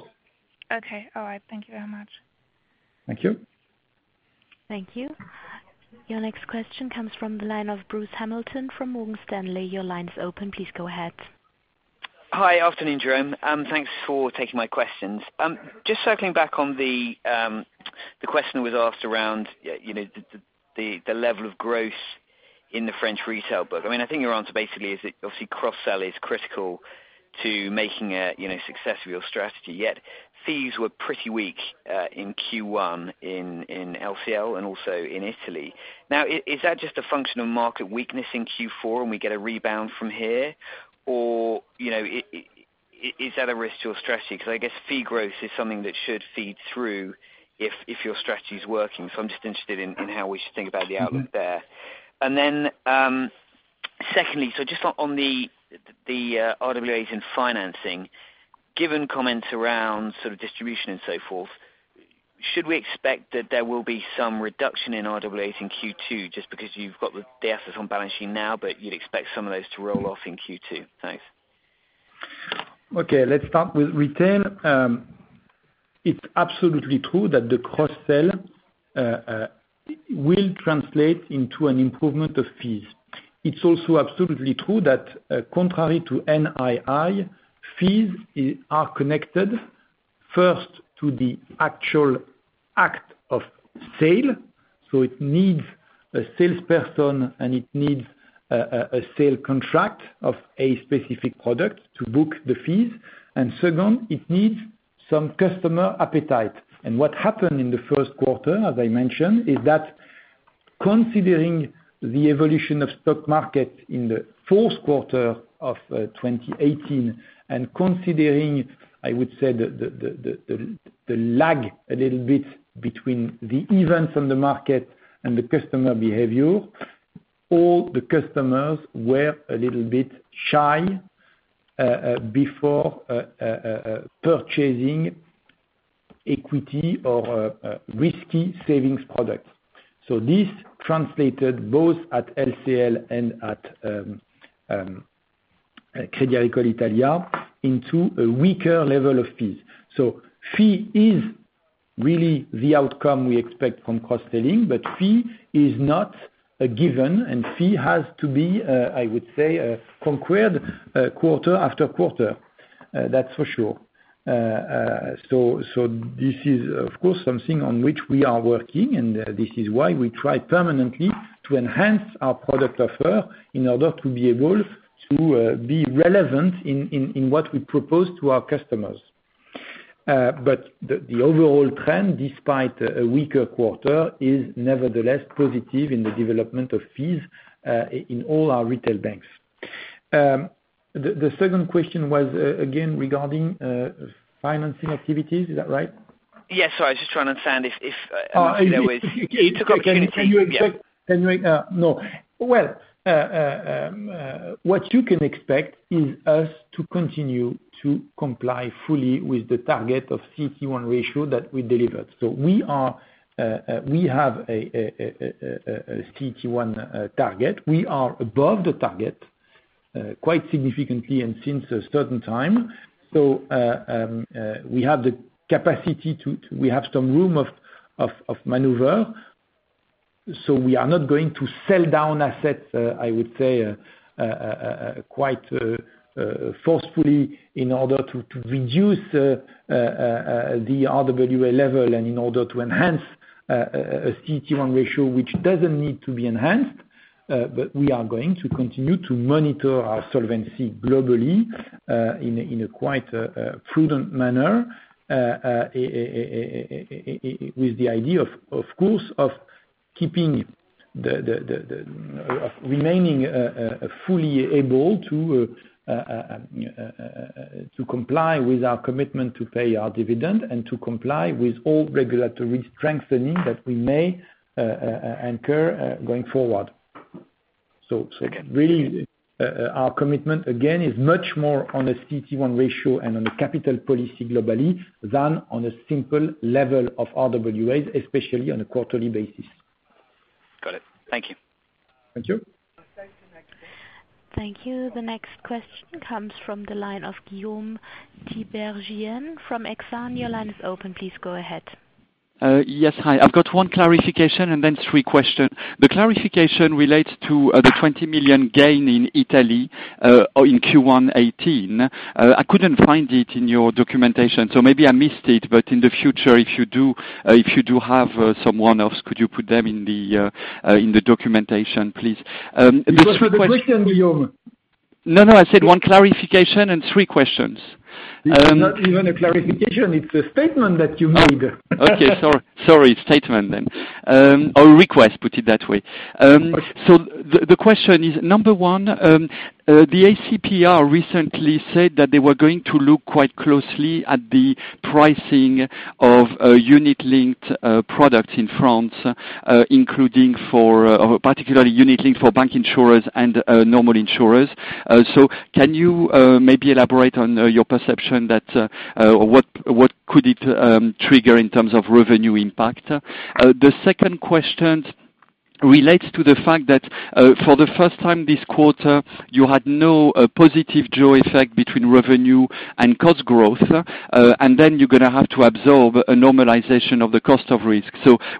Okay. All right. Thank you very much. Thank you. Thank you. Your next question comes from the line of Bruce Hamilton from Morgan Stanley. Your line is open. Please go ahead. Hi. Afternoon, Jérôme. Thanks for taking my questions. Just circling back on the question that was asked around the level of growth in the French retail book. I think your answer basically is that obviously cross-sell is critical to making a success of your strategy, yet fees were pretty weak in Q1 in LCL and also in Italy. Is that just a function of market weakness in Q4, and we get a rebound from here? Or is that a risk to your strategy? Because I guess fee growth is something that should feed through if your strategy's working. I'm just interested in how we should think about the outcome there. Secondly, just on the RWAs in financing, given comments around sort of distribution and so forth, should we expect that there will be some reduction in RWA in Q2 just because you've got the assets on balancing now, but you'd expect some of those to roll off in Q2? Thanks. Okay. Let's start with retail. It's absolutely true that the cross-sell will translate into an improvement of fees. It's also absolutely true that contrary to NII, fees are connected, first to the actual act of sale. It needs a salesperson, and it needs a sale contract of a specific product to book the fees. Second, it needs some customer appetite. What happened in the first quarter, as I mentioned, is that considering the evolution of stock market in the fourth quarter of 2018, and considering, I would say, the lag a little bit between the events on the market and the customer behavior, all the customers were a little bit shy before purchasing equity or risky savings products. This translated both at LCL and at Crédit Agricole Italia into a weaker level of fees. Fee is really the outcome we expect from cross-selling, but fee is not a given and fee has to be, I would say, conquered quarter after quarter, that's for sure. This is, of course, something on which we are working, and this is why we try permanently to enhance our product offer in order to be able to be relevant in what we propose to our customers. The overall trend, despite a weaker quarter, is nevertheless positive in the development of fees in all our retail banks. The second question was, again, regarding financing activities, is that right? Yes. Sorry, I'm just trying to understand. What you can expect is us to continue to comply fully with the target of CET1 ratio that we delivered. We have a CET1 target. We are above the target, quite significantly, and since a certain time. We have some room of maneuver, so we are not going to sell down assets, I would say, quite forcefully in order to reduce the RWA level and in order to enhance a CET1 ratio, which doesn't need to be enhanced. We are going to continue to monitor our solvency globally, in a quite prudent manner, with the idea, of course, of remaining fully able to comply with our commitment to pay our dividend and to comply with all regulatory strengthening that we may incur going forward. Again, really our commitment, again, is much more on the CET1 ratio and on the capital policy globally than on a simple level of RWAs, especially on a quarterly basis. Got it. Thank you. Thank you. Thank you. The next question comes from the line of Guillaume Tiberghien from Exane. Your line is open. Please go ahead. Yes. Hi. I have one clarification and then three question. The clarification relates to the 20 million gain in Italy or in Q1 2018. I couldn't find it in your documentation, so maybe I missed it. In the future, if you do have some one-offs, could you put them in the documentation, please? That was not a question, Guillaume. No, I said one clarification and three questions. It's not even a clarification. It's a statement that you made. Okay. Sorry, statement then. Or request, put it that way. The question is, number 1, the ACPR recently said that they were going to look quite closely at the pricing of unit-linked products in France, particularly unit-linked for bank insurers and normal insurers. Can you maybe elaborate on your perception that, or what could it trigger in terms of revenue impact? The second question relates to the fact that, for the first time this quarter, you had no positive jaws effect between revenue and cost growth, and then you're going to have to absorb a normalization of the cost of risk.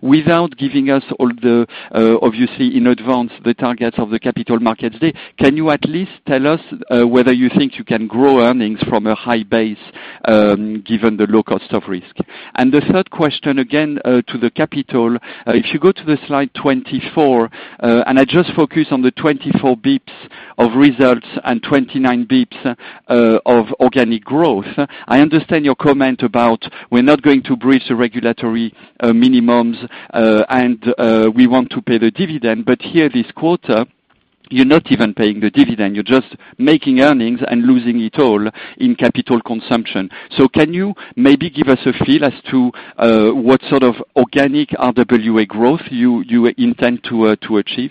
Without giving us all the, obviously, in advance, the targets of the capital markets day, can you at least tell us whether you think you can grow earnings from a high base, given the low cost of risk? The third question, again, to the capital, if you go to slide 24, and I just focus on the 24 basis points of results and 29 basis points of organic growth. I understand your comment about we're not going to breach the regulatory minimums, and we want to pay the dividend. Here this quarter, you're not even paying the dividend. You're just making earnings and losing it all in capital consumption. Can you maybe give us a feel as to what sort of organic RWA growth you intend to achieve?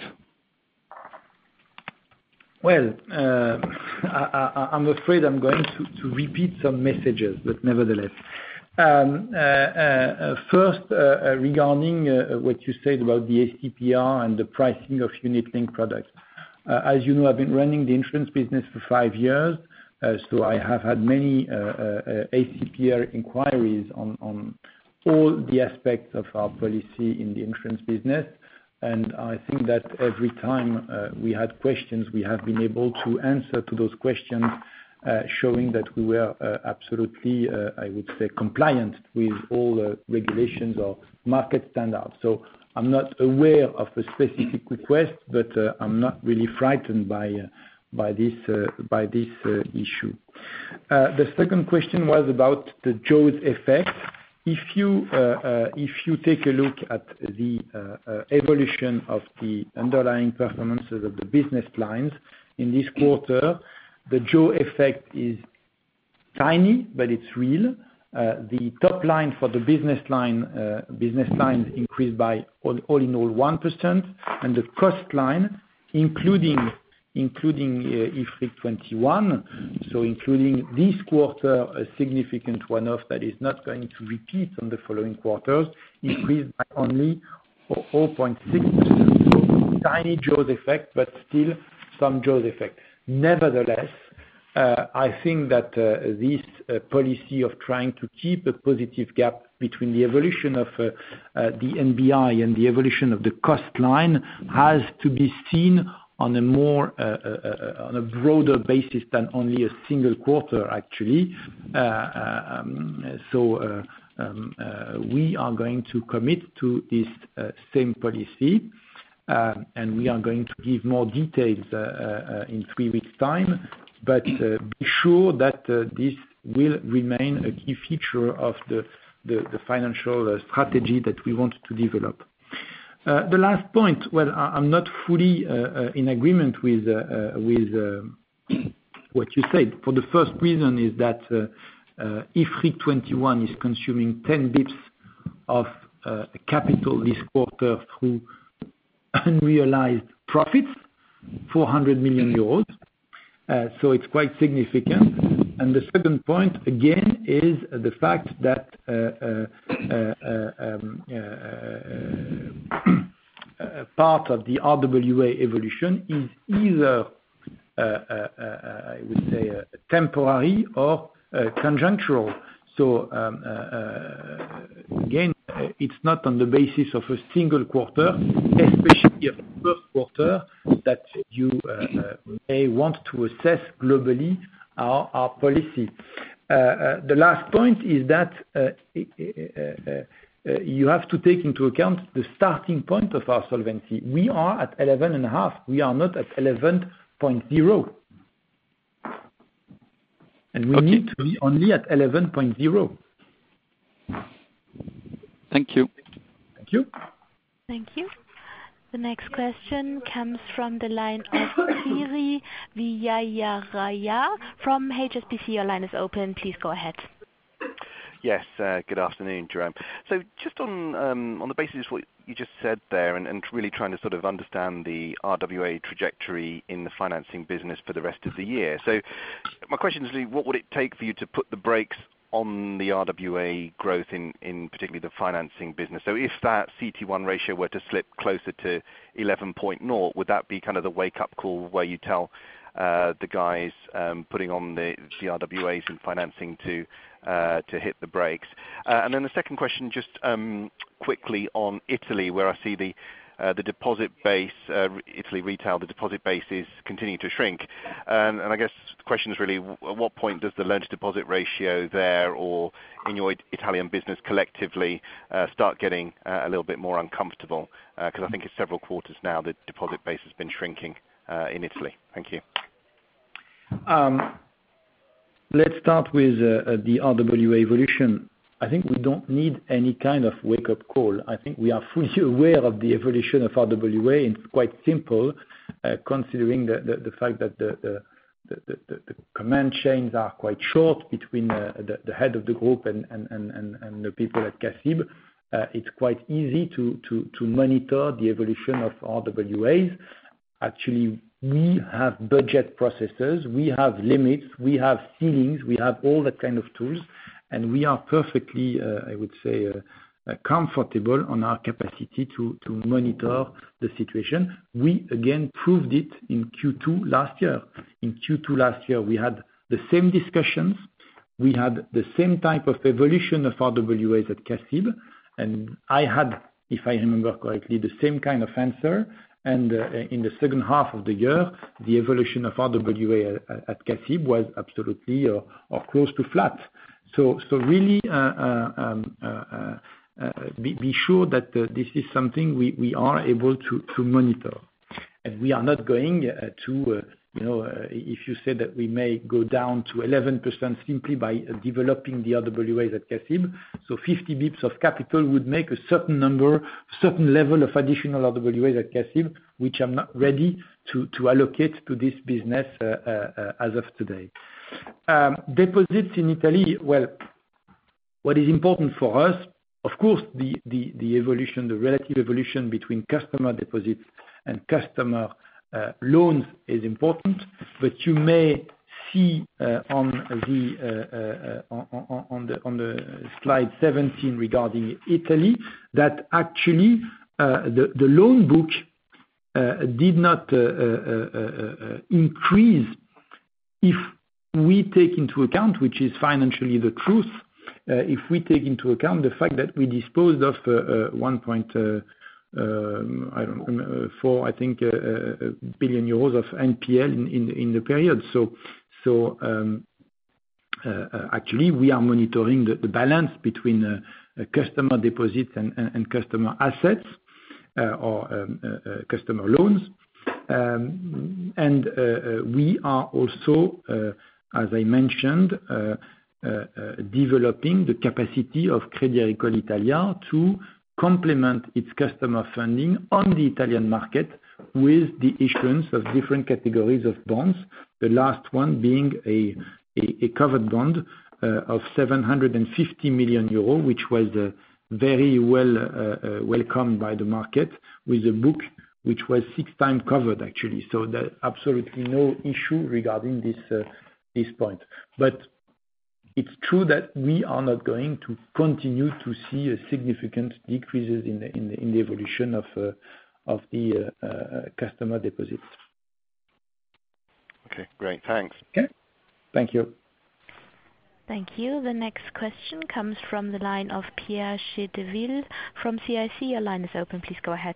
Well, I'm afraid I'm going to repeat some messages, but nevertheless. First, regarding what you said about the ACPR and the pricing of unit-linked products. As you know, I've been running the insurance business for five years, so I have had many ACPR inquiries on all the aspects of our policy in the insurance business. I think that every time we had questions, we have been able to answer to those questions, showing that we were absolutely, I would say, compliant with all the regulations or market standards. I'm not aware of a specific request, but I'm not really frightened by this issue. The second question was about the jaws effect. If you take a look at the evolution of the underlying performances of the business lines in this quarter, the jaws effect is tiny, but it's real. The top line for the business lines increased by all in all 1%, and the cost line, including IFRIC 21, including this quarter, a significant one-off that is not going to repeat on the following quarters, increased by only 4.6%. Tiny jaws effect, but still some jaws effect. Nevertheless, I think that this policy of trying to keep a positive gap between the evolution of the NBI and the evolution of the cost line has to be seen on a broader basis than only a single quarter, actually. We are going to commit to this same policy, and we are going to give more details in three weeks' time. Be sure that this will remain a key feature of the financial strategy that we want to develop. The last point, while I'm not fully in agreement with what you said. The first reason is that IFRIC 21 is consuming 10 basis points of capital this quarter through unrealized profits, 400 million euros. It's quite significant. The second point, again, is the fact that part of the RWA evolution is either, I would say, temporary or conjunctural. Again, it's not on the basis of a single quarter, especially of first quarter, that you may want to assess globally our policy. The last point is that you have to take into account the starting point of our solvency. We are at 11.5%. We are not at 11.0%. We need to be only at 11.0%. Thank you. Thank you. Thank you. The next question comes from the line of Thierry Veyrat from HSBC. Your line is open. Please go ahead. Yes. Good afternoon, Jérôme. Just on the basis of what you just said there, and really trying to sort of understand the RWA trajectory in the financing business for the rest of the year. My question is, what would it take for you to put the brakes on the RWA growth in particularly the financing business? If that CET1 ratio were to slip closer to 11.0, would that be kind of the wake-up call where you tell the guys putting on the RWAs and financing to hit the brakes? Then the second question, just quickly on Italy, where I see the deposit base, Italy retail, the deposit base is continuing to shrink. I guess the question is really, at what point does the lender deposit ratio there, or in your Italian business collectively, start getting a little bit more uncomfortable? Because I think it's several quarters now that deposit base has been shrinking in Italy. Thank you. Let's start with the RWA evolution. I think we don't need any kind of wake-up call. I think we are fully aware of the evolution of RWA, it's quite simple, considering the fact that the command chains are quite short between the head of the group and the people at CACIB. It's quite easy to monitor the evolution of RWAs. Actually, we have budget processes. We have limits. We have ceilings. We have all the kind of tools, we are perfectly, I would say, comfortable on our capacity to monitor the situation. We, again, proved it in Q2 last year. In Q2 last year, we had the same discussions. We had the same type of evolution of RWAs at CACIB, I had, if I remember correctly, the same kind of answer. In the second half of the year, the evolution of RWA at CACIB was absolutely, or close to flat. Really be sure that this is something we are able to monitor. We are not going to, if you say that we may go down to 11% simply by developing the RWAs at CACIB. 50 basis points of capital would make a certain number, certain level of additional RWAs at CACIB, which I'm not ready to allocate to this business as of today. Deposits in Italy, well, what is important for us, of course, the relative evolution between customer deposits and customer loans is important. You may see on the slide 17 regarding Italy that actually, the loan book did not increase. If we take into account, which is financially the truth, if we take into account the fact that we disposed of 1.4 billion euros of NPL in the period. Actually, we are monitoring the balance between customer deposits and customer assets or customer loans. We are also, as I mentioned, developing the capacity of Crédit Agricole Italia to complement its customer funding on the Italian market with the issuance of different categories of bonds. The last one being a covered bond of 750 million euros, which was very well welcomed by the market with a book, which was six times covered, actually. There's absolutely no issue regarding this point. It's true that we are not going to continue to see significant decreases in the evolution of the customer deposits. Okay, great. Thanks. Okay. Thank you. Thank you. The next question comes from the line of Pierre Chedeville from CIC. Your line is open. Please go ahead.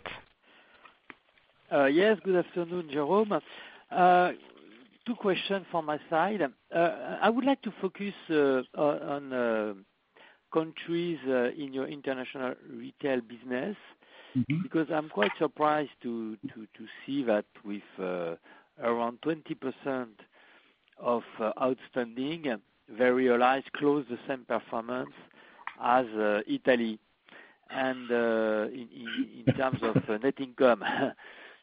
Yes. Good afternoon, Jérôme. Two questions from my side. I would like to focus on countries in your international retail business. I'm quite surprised to see that with around 20% of outstanding, they realized close the same performance as Italy, and in terms of net income.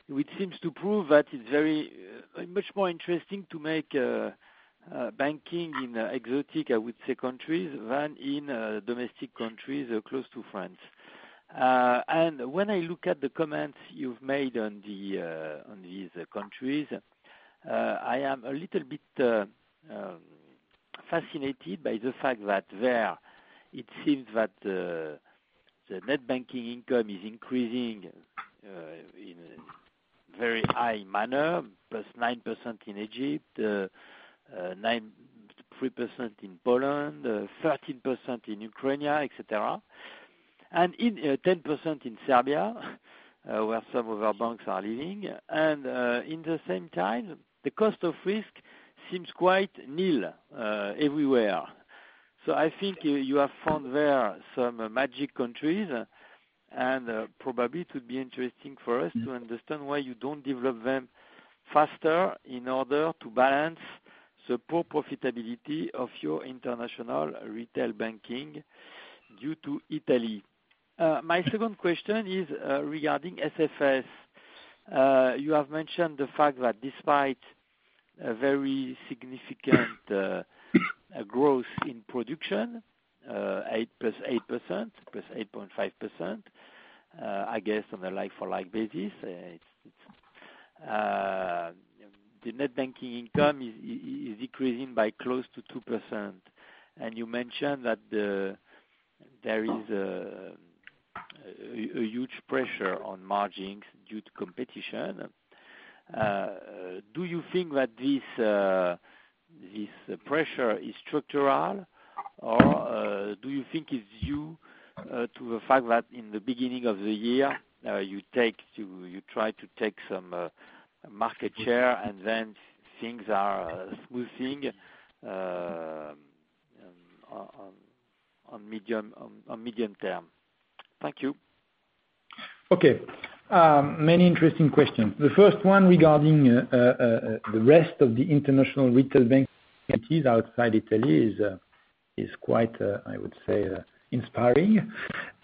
Which seems to prove that it's much more interesting to make banking in exotic, I would say, countries than in domestic countries close to France. When I look at the comments you've made on these countries, I am a little bit fascinated by the fact that there, it seems that the net banking income is increasing in a very high manner, +9% in Egypt, 3% in Poland, 13% in Ukraine, et cetera, and 10% in Serbia, where some of our banks are living. In the same time, the cost of risk seems quite nil everywhere. I think you have found there some magic countries. Probably it would be interesting for us to understand why you don't develop them faster in order to balance the poor profitability of your international retail banking due to Italy. My second question is regarding SFS. You have mentioned the fact that despite a very significant growth in production, +8.5%, I guess, on a like-for-like basis, the net banking income is decreasing by close to 2%. You mentioned that there is a huge pressure on margins due to competition. Do you think that this pressure is structural, or do you think it's due to the fact that in the beginning of the year, you try to take some market share, and then things are smoothing on medium term? Thank you. Okay. Many interesting questions. The first one regarding the rest of the international retail bank entities outside Italy is quite, I would say, inspiring.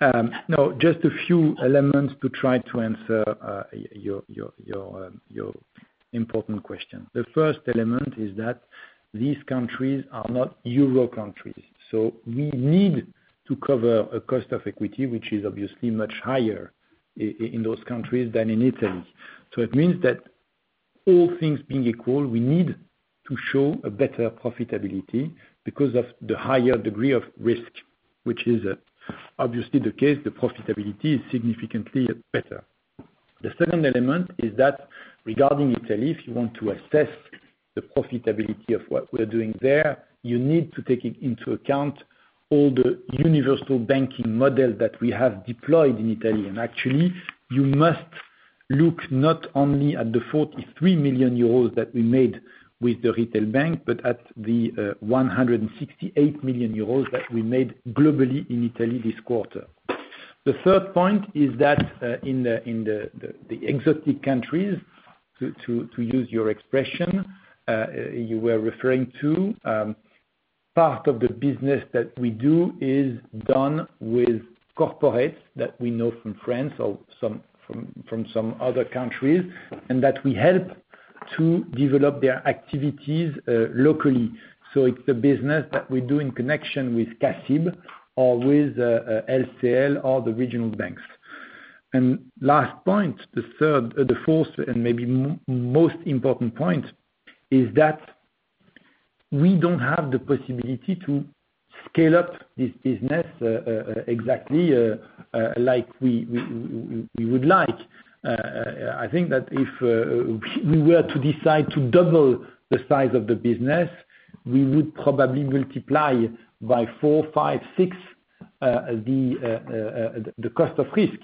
Now, just a few elements to try to answer your important question. The first element is that these countries are not euro countries. We need to cover a cost of equity, which is obviously much higher in those countries than in Italy. It means that all things being equal, we need to show a better profitability because of the higher degree of risk, which is obviously the case. The profitability is significantly better. The second element is that regarding Italy, if you want to assess the profitability of what we're doing there, you need to take into account all the universal banking models that we have deployed in Italy. Actually, you must look not only at the 43 million euros that we made with the retail bank, but at the 168 million euros that we made globally in Italy this quarter. The third point is that in the exotic countries, to use your expression, you were referring to, part of the business that we do is done with corporates that we know from France or from some other countries, and that we help to develop their activities locally. It's the business that we do in connection with CACIB or with LCL or the regional banks. Last point, the fourth and maybe most important point is that we don't have the possibility to scale up this business exactly like we would like. I think that if we were to decide to double the size of the business, we would probably multiply by four, five, six the cost of risk,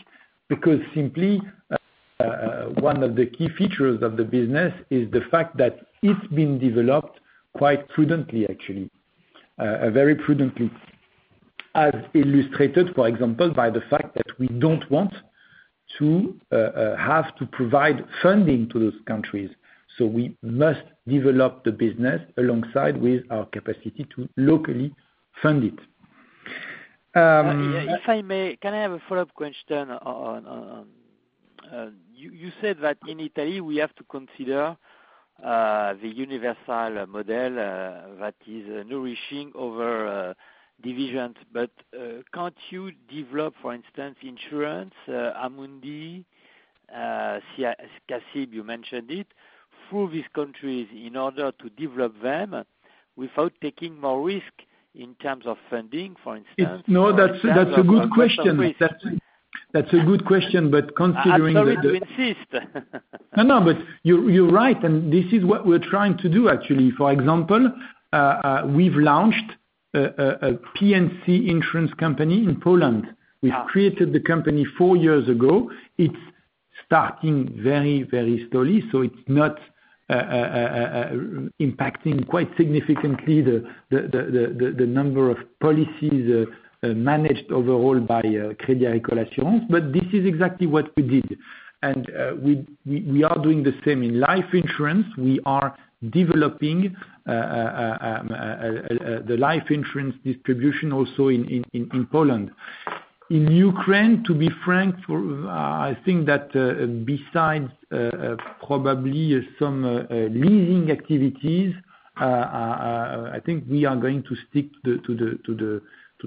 because simply, one of the key features of the business is the fact that it's been developed quite prudently, actually. Very prudently, as illustrated, for example, by the fact that we don't want to have to provide funding to those countries. We must develop the business alongside with our capacity to locally fund it. If I may, can I have a follow-up question on. You said that in Italy, we have to consider the universal model that is nourishing over divisions, can't you develop, for instance, insurance, Amundi, CACIB, you mentioned it, through these countries in order to develop them without taking more risk in terms of funding, for instance. No, that's a good question. Considering the. Sorry to insist. You're right, this is what we're trying to do actually. For example, we've launched a P&C insurance company in Poland. Yeah. We've created the company four years ago. It's starting very slowly, it's not impacting quite significantly the number of policies managed overall by Crédit Agricole Assurances. This is exactly what we did. We are doing the same in life insurance. We are developing the life insurance distribution also in Poland. In Ukraine, to be frank, I think that besides probably some leasing activities, I think we are going to stick to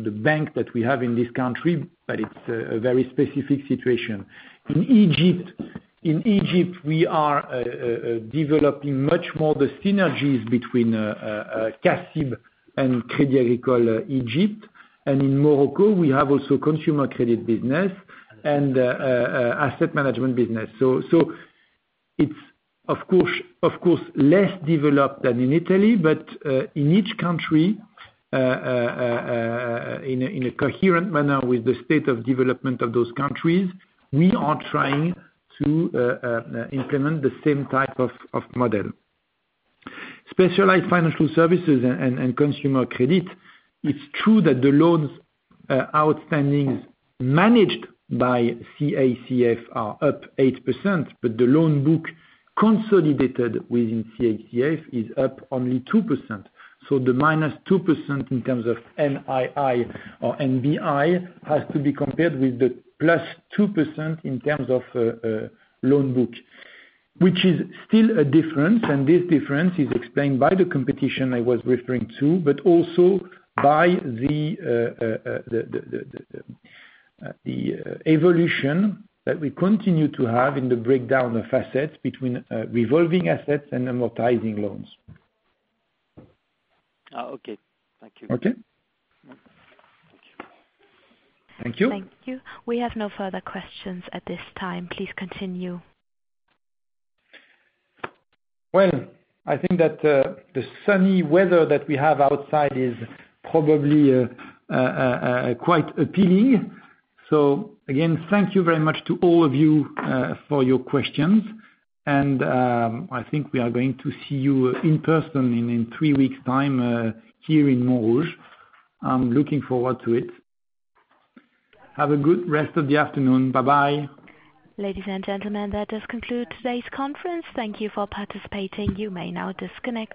the bank that we have in this country. It's a very specific situation. In Egypt, we are developing much more the synergies between CACIB and Crédit Agricole Egypt. In Morocco, we have also consumer credit business and asset management business. It's, of course, less developed than in Italy. In each country, in a coherent manner with the state of development of those countries, we are trying to implement the same type of model. Specialized financial services and consumer credit, it's true that the loans outstanding managed by CACF are up 8%. The loan book consolidated within CACF is up only 2%. The minus 2% in terms of NII or NBI has to be compared with the +2% in terms of loan book. This is still a difference. This difference is explained by the competition I was referring to, also by the evolution that we continue to have in the breakdown of assets between revolving assets and amortizing loans. Okay. Thank you. Okay. Thank you. Thank you. We have no further questions at this time. Please continue. I think that the sunny weather that we have outside is probably quite appealing. Again, thank you very much to all of you, for your questions. I think we are going to see you in person in three weeks time, here in Montrouge. I'm looking forward to it. Have a good rest of the afternoon. Bye-bye. Ladies and gentlemen, that does conclude today's conference. Thank you for participating. You may now disconnect.